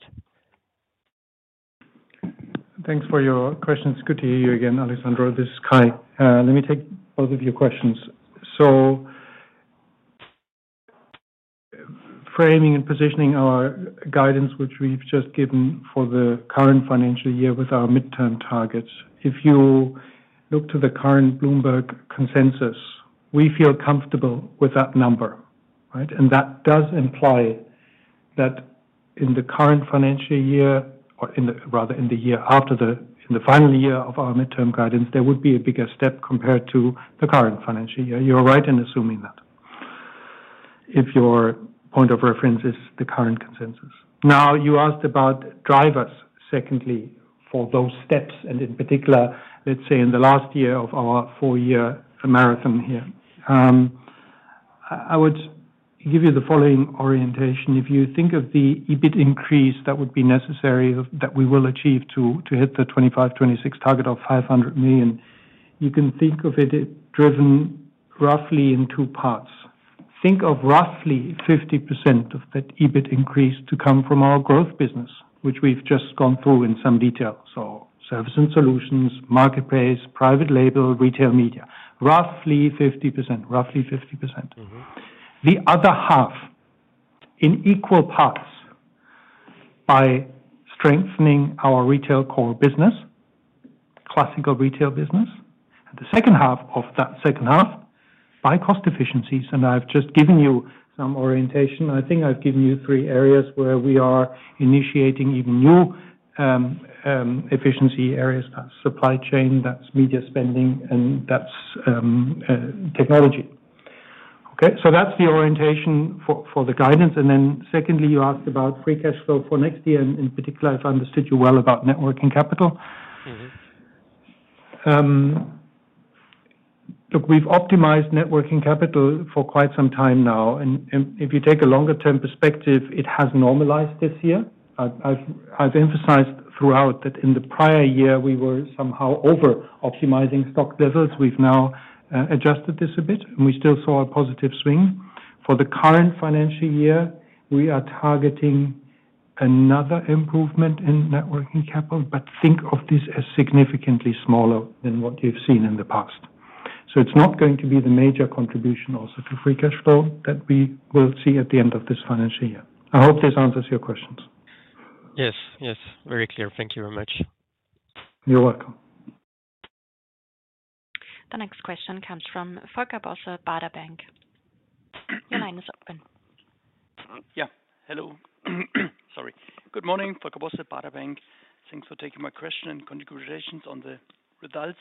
Thanks for your questions. Good to hear you again, Alessandro. This is Kai. Let me take both of your questions. Framing and positioning our guidance, which we've just given for the current financial year with our midterm targets, if you look to the current Bloomberg consensus, we feel comfortable with that number. And that does imply that in the current financial year, or rather in the year after, in the final year of our midterm guidance, there would be a bigger step compared to the current financial year. You're right in assuming that if your point of reference is the current consensus. Now, you asked about drivers, secondly, for those steps. And in particular, let's say in the last year of our four-year marathon here, I would give you the following orientation. If you think of the EBIT increase that would be necessary that we will achieve to hit the 2025-2026 target of 500 million, you can think of it driven roughly in two parts. Think of roughly 50% of that EBIT increase to come from our growth business, which we've just gone through in some detail. So services and solutions, marketplace, private label, retail media. Roughly 50%, roughly 50%. The other half in equal parts by strengthening our retail core business, classical retail business. And the second half of that second half by cost efficiencies. And I've just given you some orientation. I think I've given you three areas where we are initiating even new efficiency areas. That's supply chain, that's media spending, and that's technology. Okay. So that's the orientation for the guidance. And then secondly, you asked about free cash flow for next year. And in particular, I've understood you well about working capital. Look, we've optimized working capital for quite some time now. And if you take a longer-term perspective, it has normalized this year. I've emphasized throughout that in the prior year, we were somehow over-optimizing stock levels. We've now adjusted this a bit, and we still saw a positive swing. For the current financial year, we are targeting another improvement in working capital, but think of this as significantly smaller than what you've seen in the past. So it's not going to be the major contribution also to free cash flow that we will see at the end of this financial year. I hope this answers your questions. Yes, yes. Very clear. Thank you very much. You're welcome. The next question comes from Volker Bosse, Baader Bank. Your line is open. Yeah. Hello. Sorry. Good morning, Volker Bosse, Baader Bank. Thanks for taking my question and congratulations on the results.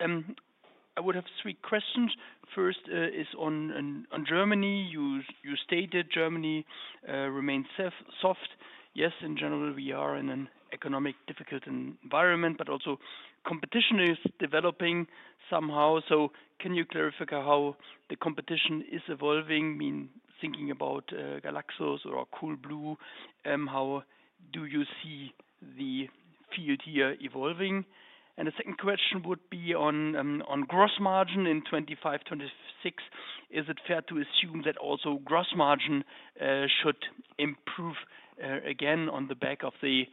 I would have three questions. First is on Germany. You stated Germany remains soft. Yes, in general, we are in an economically difficult environment, but also competition is developing somehow. So can you clarify how the competition is evolving? I mean, thinking about Galaxus or Coolblue, how do you see the field here evolving? And the second question would be on gross margin in 2025-2026. Is it fair to assume that also gross margin should improve again on the back of the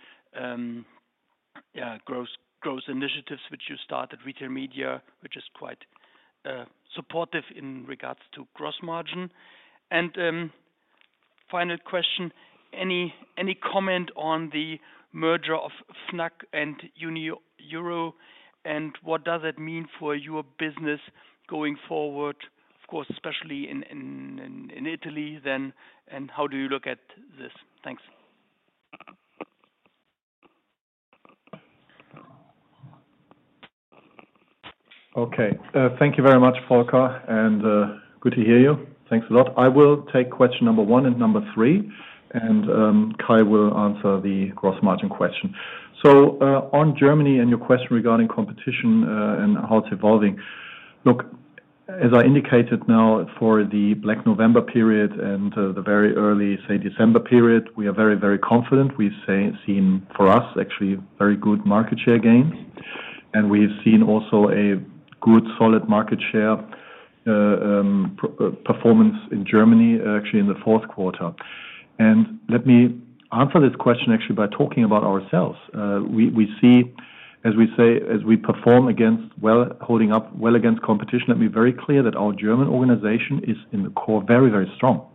growth initiatives which you started, retail media, which is quite supportive in regards to gross margin? And final question, any comment on the merger of Fnac and Unieuro? And what does that mean for your business going forward, of course, especially in Italy then? And how do you look at this? Thanks. Okay. Thank you very much, Volker. And good to hear you. Thanks a lot. I will take question number one and number three, and Kai will answer the gross margin question. So on Germany and your question regarding competition and how it's evolving, look, as I indicated now for the Black November period and the very early, say, December period, we are very, very confident. We've seen, for us, actually, very good market share gains. And we've seen also a good solid market share performance in Germany, actually, in the fourth quarter. And let me answer this question actually by talking about ourselves. We see, as we say, as we perform against, holding up well against competition, let me be very clear that our German organization is, in the core, very, very strong.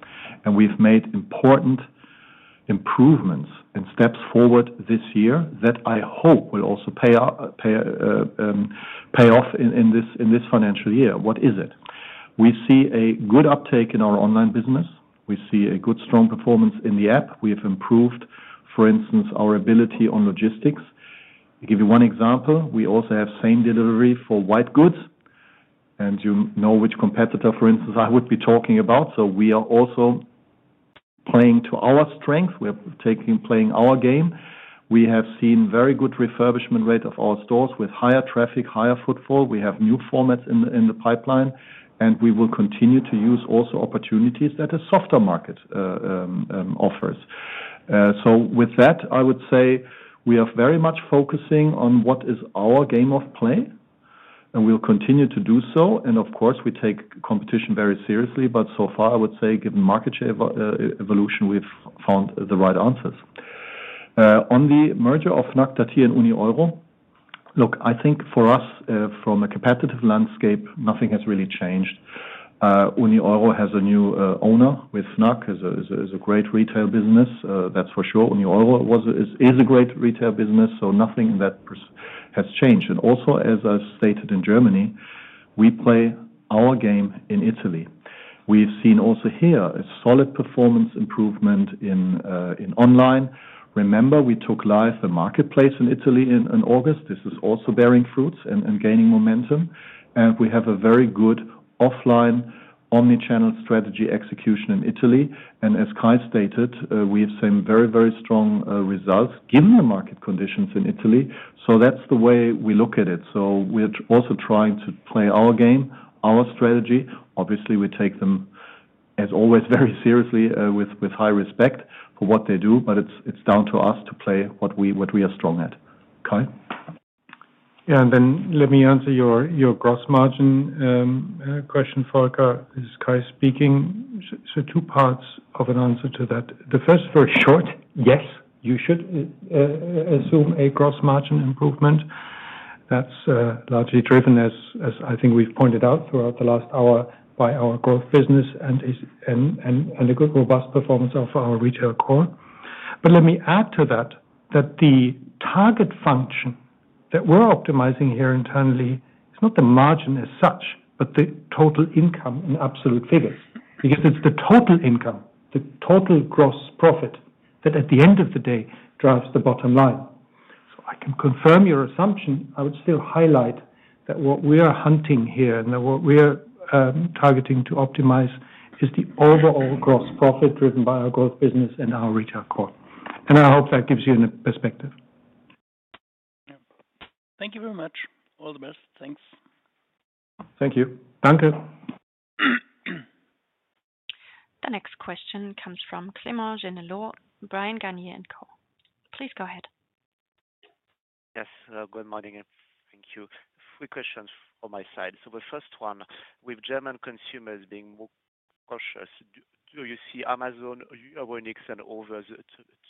And we've made important improvements and steps forward this year that I hope will also pay off in this financial year. What is it? We see a good uptake in our online business. We see a good strong performance in the app. We have improved, for instance, our ability on logistics. I'll give you one example. We also have same delivery for white goods. And you know which competitor, for instance, I would be talking about. So we are also playing to our strength. We are playing our game. We have seen very good refurbishment rate of our stores with higher traffic, higher footfall. We have new formats in the pipeline. And we will continue to use also opportunities that a softer market offers. So with that, I would say we are very much focusing on what is our game of play. And we'll continue to do so. And of course, we take competition very seriously. But so far, I would say, given market share evolution, we've found the right answers. On the merger of Fnac Darty and Unieuro, look, I think for us, from a competitive landscape, nothing has really changed. Unieuro has a new owner with Fnac. It's a great retail business, that's for sure. Unieuro is a great retail business. So nothing in that has changed. And also, as I stated in Germany, we play our game in Italy. We've seen also here a solid performance improvement in online. Remember, we took live the marketplace in Italy in August. This is also bearing fruits and gaining momentum. And we have a very good offline omnichannel strategy execution in Italy. And as Kai stated, we have seen very, very strong results given the market conditions in Italy. So that's the way we look at it. So we're also trying to play our game, our strategy. Obviously, we take them, as always, very seriously with high respect for what they do. But it's down to us to play what we are strong at. Kai? Yeah. And then let me answer your gross margin question, Volker. This is Kai speaking. So two parts of an answer to that. The first, very short. Yes, you should assume a gross margin improvement. That's largely driven, as I think we've pointed out throughout the last hour, by our growth business and a good robust performance of our retail core. But let me add to that that the target function that we're optimizing here internally is not the margin as such, but the total income in absolute figures. Because it's the total income, the total gross profit that, at the end of the day, drives the bottom line. So I can confirm your assumption. I would still highlight that what we are hunting here and what we are targeting to optimize is the overall gross profit driven by our growth business and our retail core, and I hope that gives you a perspective. Thank you very much. All the best. Thanks. Thank you. Volker. The next question comes from Clément Genelot, Bryan, Garnier & Co. Please go ahead. Yes. Good morning. Thank you. Three questions on my side. So the first one, with German consumers being more cautious, do you see Amazon, Otto, and Expert and others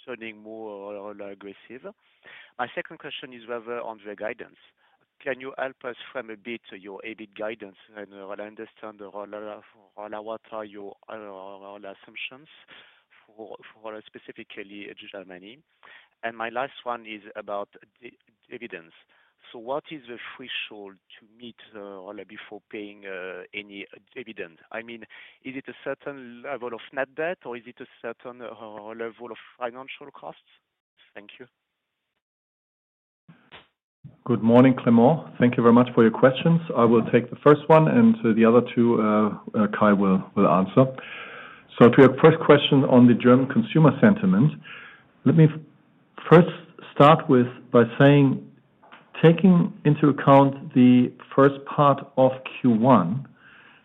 turning more aggressive? My second question is rather on their guidance. Can you help us frame a bit your EBIT guidance, and I understand what are your assumptions specifically in Germany, and my last one is about dividends, so what is the threshold to meet before paying any dividend? I mean, is it a certain level of net debt, or is it a certain level of financial costs? Thank you. Good morning, Clément. Thank you very much for your questions. I will take the first one, and the other two Kai will answer. So to your first question on the German consumer sentiment, let me first start by saying, taking into account the first part of Q1,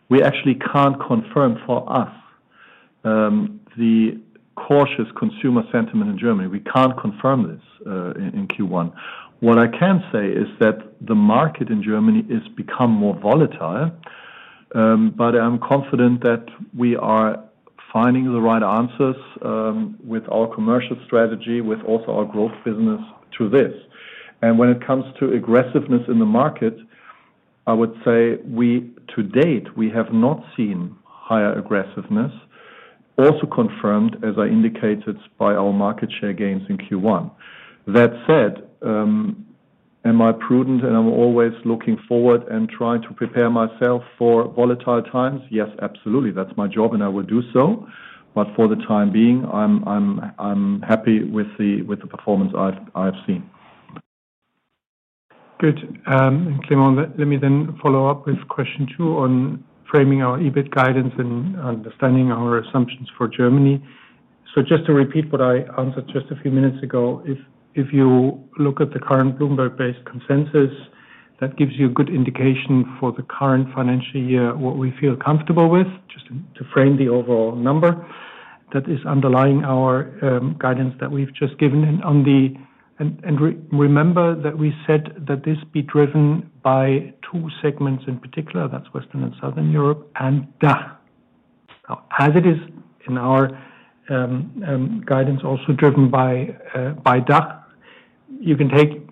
we actually can't confirm for us the cautious consumer sentiment in Germany. We can't confirm this in Q1. What I can say is that the market in Germany has become more volatile. But I'm confident that we are finding the right answers with our commercial strategy, with also our growth business to this. And when it comes to aggressiveness in the market, I would say, to date, we have not seen higher aggressiveness, also confirmed, as I indicated, by our market share gains in Q1. That said, am I prudent? And I'm always looking forward and trying to prepare myself for volatile times? Yes, absolutely. That's my job, and I will do so. But for the time being, I'm happy with the performance I've seen. Good. Clément, let me then follow up with question two on framing our EBIT guidance and understanding our assumptions for Germany. So just to repeat what I answered just a few minutes ago, if you look at the current Bloomberg-based consensus, that gives you a good indication for the current financial year what we feel comfortable with, just to frame the overall number that is underlying our guidance that we've just given. And remember that we said that this will be driven by two segments in particular. That's Western and Southern Europe. And DACH, as it is in our guidance, also driven by DACH. You need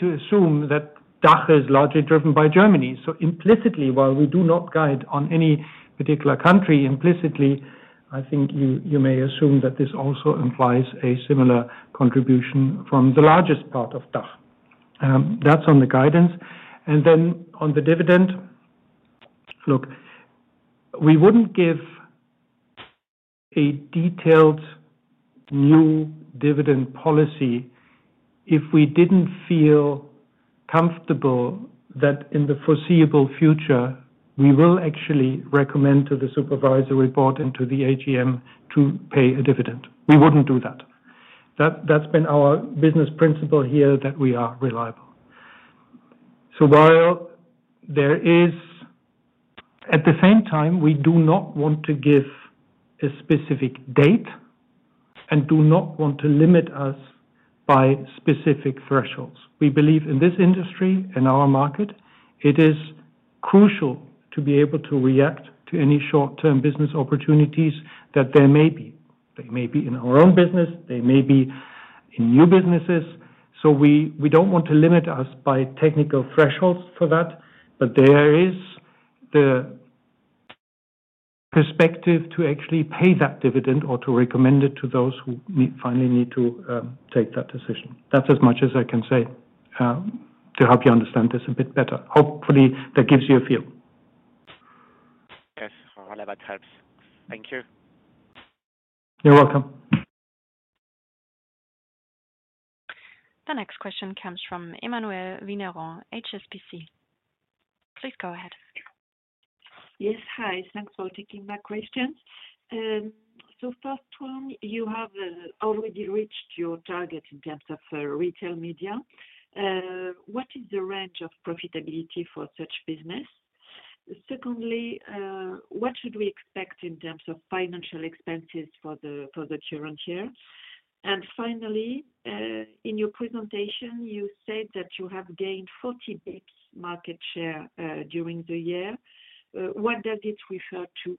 to assume that DACH is largely driven by Germany. So implicitly, while we do not guide on any particular country, implicitly, I think you may assume that this also implies a similar contribution from the largest part of DACH. That's on the guidance. And then on the dividend, look, we wouldn't give a detailed new dividend policy if we didn't feel comfortable that in the foreseeable future, we will actually recommend to the supervisory board and to the AGM to pay a dividend. We wouldn't do that. That's been our business principle here, that we are reliable. So while there is, at the same time, we do not want to give a specific date and do not want to limit us by specific thresholds. We believe in this industry, in our market, it is crucial to be able to react to any short-term business opportunities that there may be. They may be in our own business. They may be in new businesses. So we don't want to limit us by technical thresholds for that. But there is the perspective to actually pay that dividend or to recommend it to those who finally need to take that decision. That's as much as I can say to help you understand this a bit better. Hopefully, that gives you a feel. Yes. Hopefully, that helps. Thank you. You're welcome. The next question comes from Emmanuelle Vigneron, HSBC. Please go ahead. Yes. Hi. Thanks for taking my question. First one, you have already reached your target in terms of retail media. What is the range of profitability for such business? Secondly, what should we expect in terms of financial expenses for the current year? And finally, in your presentation, you said that you have gained 40 basis points market share during the year. What does it refer to?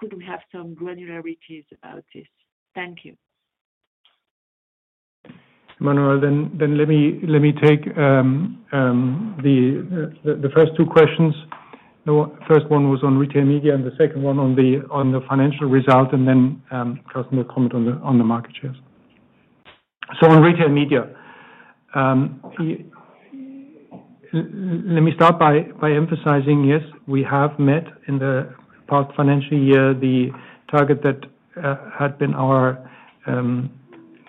Could we have some granularities about this? Thank you. Emmanuelle, then let me take the first two questions. The first one was on retail media and the second one on the financial result and then closing the comment on the market shares. On retail media, let me start by emphasizing, yes, we have met in the past financial year the target that had been our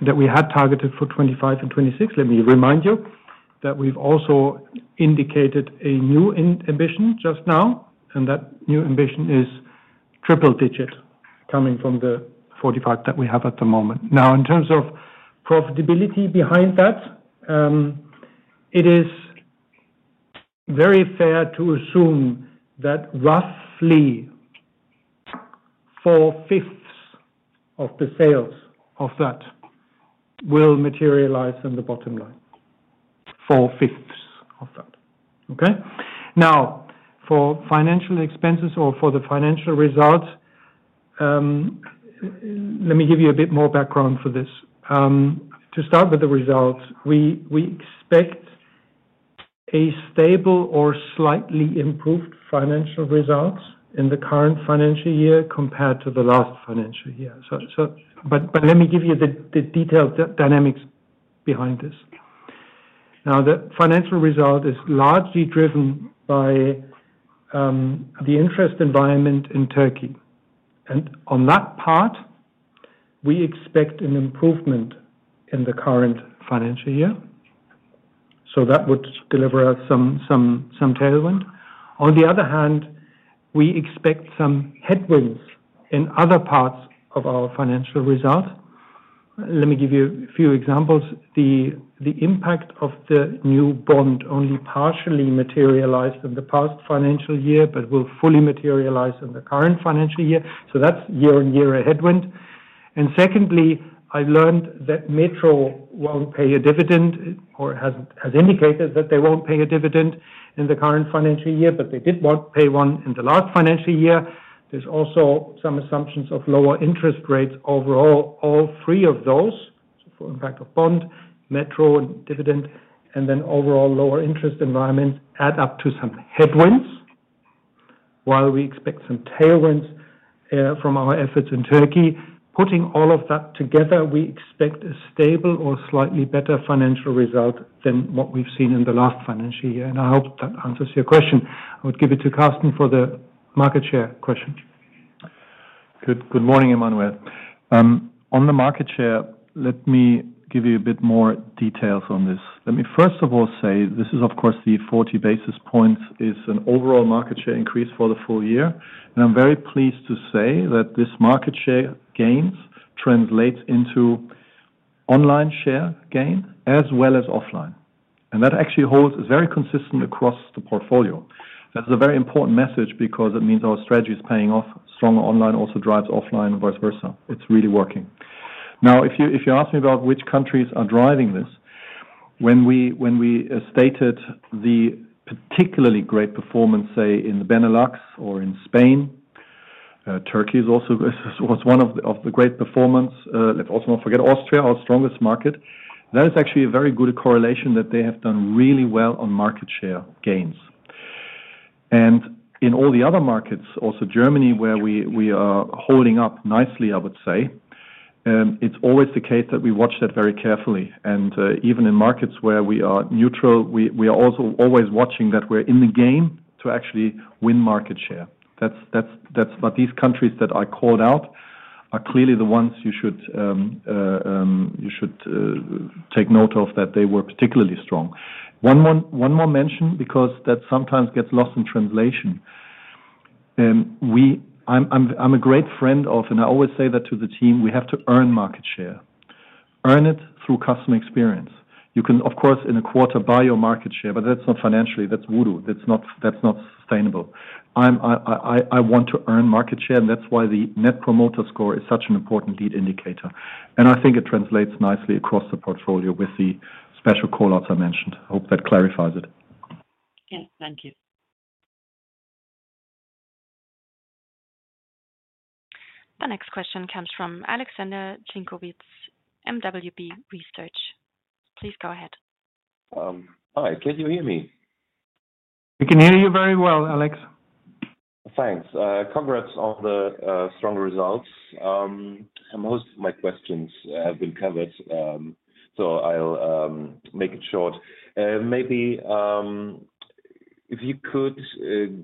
that we had targeted for 2025 and 2026. Let me remind you that we've also indicated a new ambition just now. And that new ambition is triple-digit coming from the '45 that we have at the moment. Now, in terms of profitability behind that, it is very fair to assume that roughly four-fifths of the sales of that will materialize in the bottom line. Four-fifths of that. Okay? Now, for financial expenses or for the financial results, let me give you a bit more background for this. To start with the results, we expect a stable or slightly improved financial result in the current financial year compared to the last financial year. But let me give you the detailed dynamics behind this. Now, the financial result is largely driven by the interest environment in Turkey. And on that part, we expect an improvement in the current financial year. So that would deliver us some tailwind. On the other hand, we expect some headwinds in other parts of our financial result. Let me give you a few examples. The impact of the new bond only partially materialized in the past financial year but will fully materialize in the current financial year. So that's year-on-year a headwind. And secondly, I learned that Metro won't pay a dividend or has indicated that they won't pay a dividend in the current financial year, but they did pay one in the last financial year. There's also some assumptions of lower interest rates overall. All three of those, so for impact of bond, Metro, and dividend, and then overall lower interest environments add up to some headwinds while we expect some tailwinds from our efforts in Turkey. Putting all of that together, we expect a stable or slightly better financial result than what we've seen in the last financial year. And I hope that answers your question. I would give it to Karsten for the market share question. Good morning, Emmanuelle. On the market share, let me give you a bit more details on this. Let me first of all say this is, of course, the 40 basis points is an overall market share increase for the full year. And I'm very pleased to say that this market share gains translates into online share gain as well as offline. And that actually holds is very consistent across the portfolio. That is a very important message because it means our strategy is paying off. Stronger online also drives offline and vice versa. It's really working. Now, if you ask me about which countries are driving this, when we stated the particularly great performance, say, in Benelux or in Spain, Turkey was one of the great performance. Let's also not forget Austria, our strongest market. That is actually a very good correlation that they have done really well on market share gains. And in all the other markets, also Germany, where we are holding up nicely, I would say, it's always the case that we watch that very carefully. And even in markets where we are neutral, we are also always watching that we're in the game to actually win market share. But these countries that I called out are clearly the ones you should take note of that they were particularly strong. One more mention because that sometimes gets lost in translation. I'm a great friend of, and I always say that to the team, we have to earn market share. Earn it through customer experience. You can, of course, in a quarter buy your market share, but that's not financially. That's voodoo. That's not sustainable. I want to earn market share, and that's why the net promoter score is such an important lead indicator, and I think it translates nicely across the portfolio with the special callouts I mentioned. I hope that clarifies it. Yes. Thank you. The next question comes from Alexander Zienkowicz, mwb research. Please go ahead. Hi. Can you hear me? We can hear you very well, Alex. Thanks. Congrats on the strong results. Most of my questions have been covered, so I'll make it short. Maybe if you could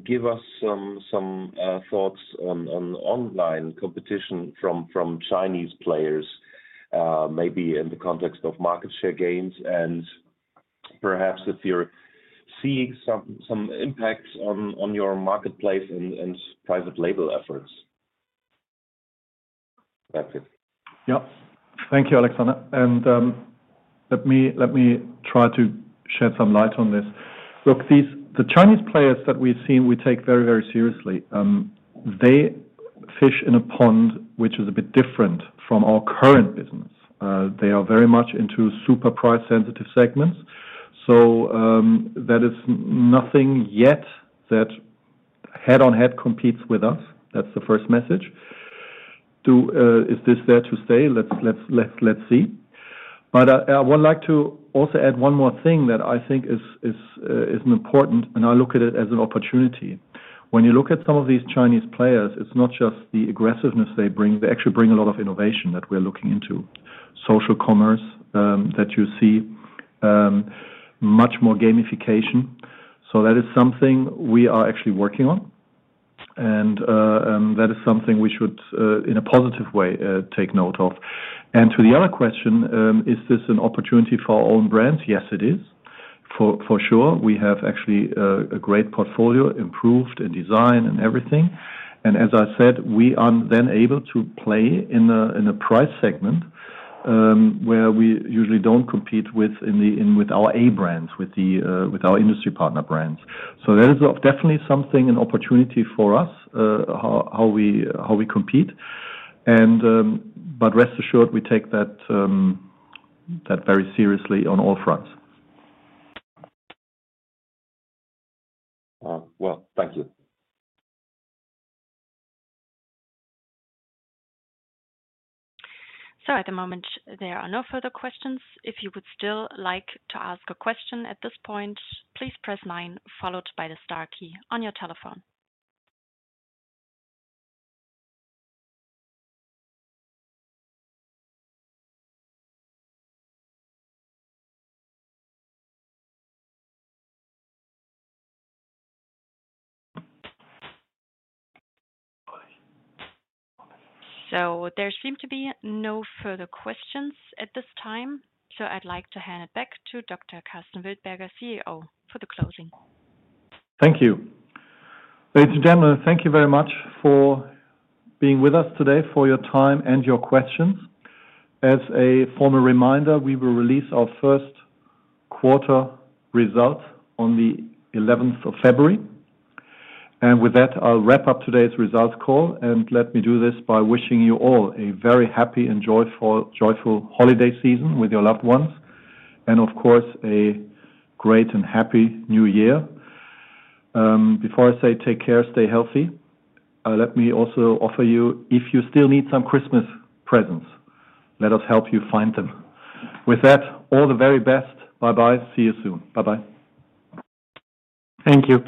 give us some thoughts on online competition from Chinese players, maybe in the context of market share gains, and perhaps if you're seeing some impacts on your marketplace and private label efforts. That's it. Yep. Thank you, Alexander, and let me try to shed some light on this. Look, the Chinese players that we've seen, we take very, very seriously. They fish in a pond which is a bit different from our current business. They are very much into super price-sensitive segments. So that is nothing yet that head-on-head competes with us. That's the first message. Is this there to stay? Let's see. But I would like to also add one more thing that I think is important, and I look at it as an opportunity. When you look at some of these Chinese players, it's not just the aggressiveness they bring. They actually bring a lot of innovation that we're looking into. Social commerce that you see, much more gamification. So that is something we are actually working on. And that is something we should, in a positive way, take note of. And to the other question, is this an opportunity for our own brands? Yes, it is. For sure. We have actually a great portfolio, improved in design and everything. And as I said, we are then able to play in a price segment where we usually don't compete with our A brands, with our industry partner brands. So that is definitely something, an opportunity for us, how we compete. But rest assured, we take that very seriously on all fronts. Wow. Well, thank you. So at the moment, there are no further questions. If you would still like to ask a question at this point, please press 9, followed by the star key on your telephone. So there seem to be no further questions at this time. So I'd like to hand it back to Dr. Karsten Wildberger, CEO, for the closing. Thank you. Ladies and gentlemen, thank you very much for being with us today, for your time and your questions. As a formal reminder, we will release our first quarter results on the February 11th. And with that, I'll wrap up today's results call. And let me do this by wishing you all a very happy and joyful holiday season with your loved ones, and of course, a great and happy new year. Before I say take care, stay healthy, let me also offer you, if you still need some Christmas presents, let us help you find them. With that, all the very best. Bye-bye. See you soon. Bye-bye. Thank you.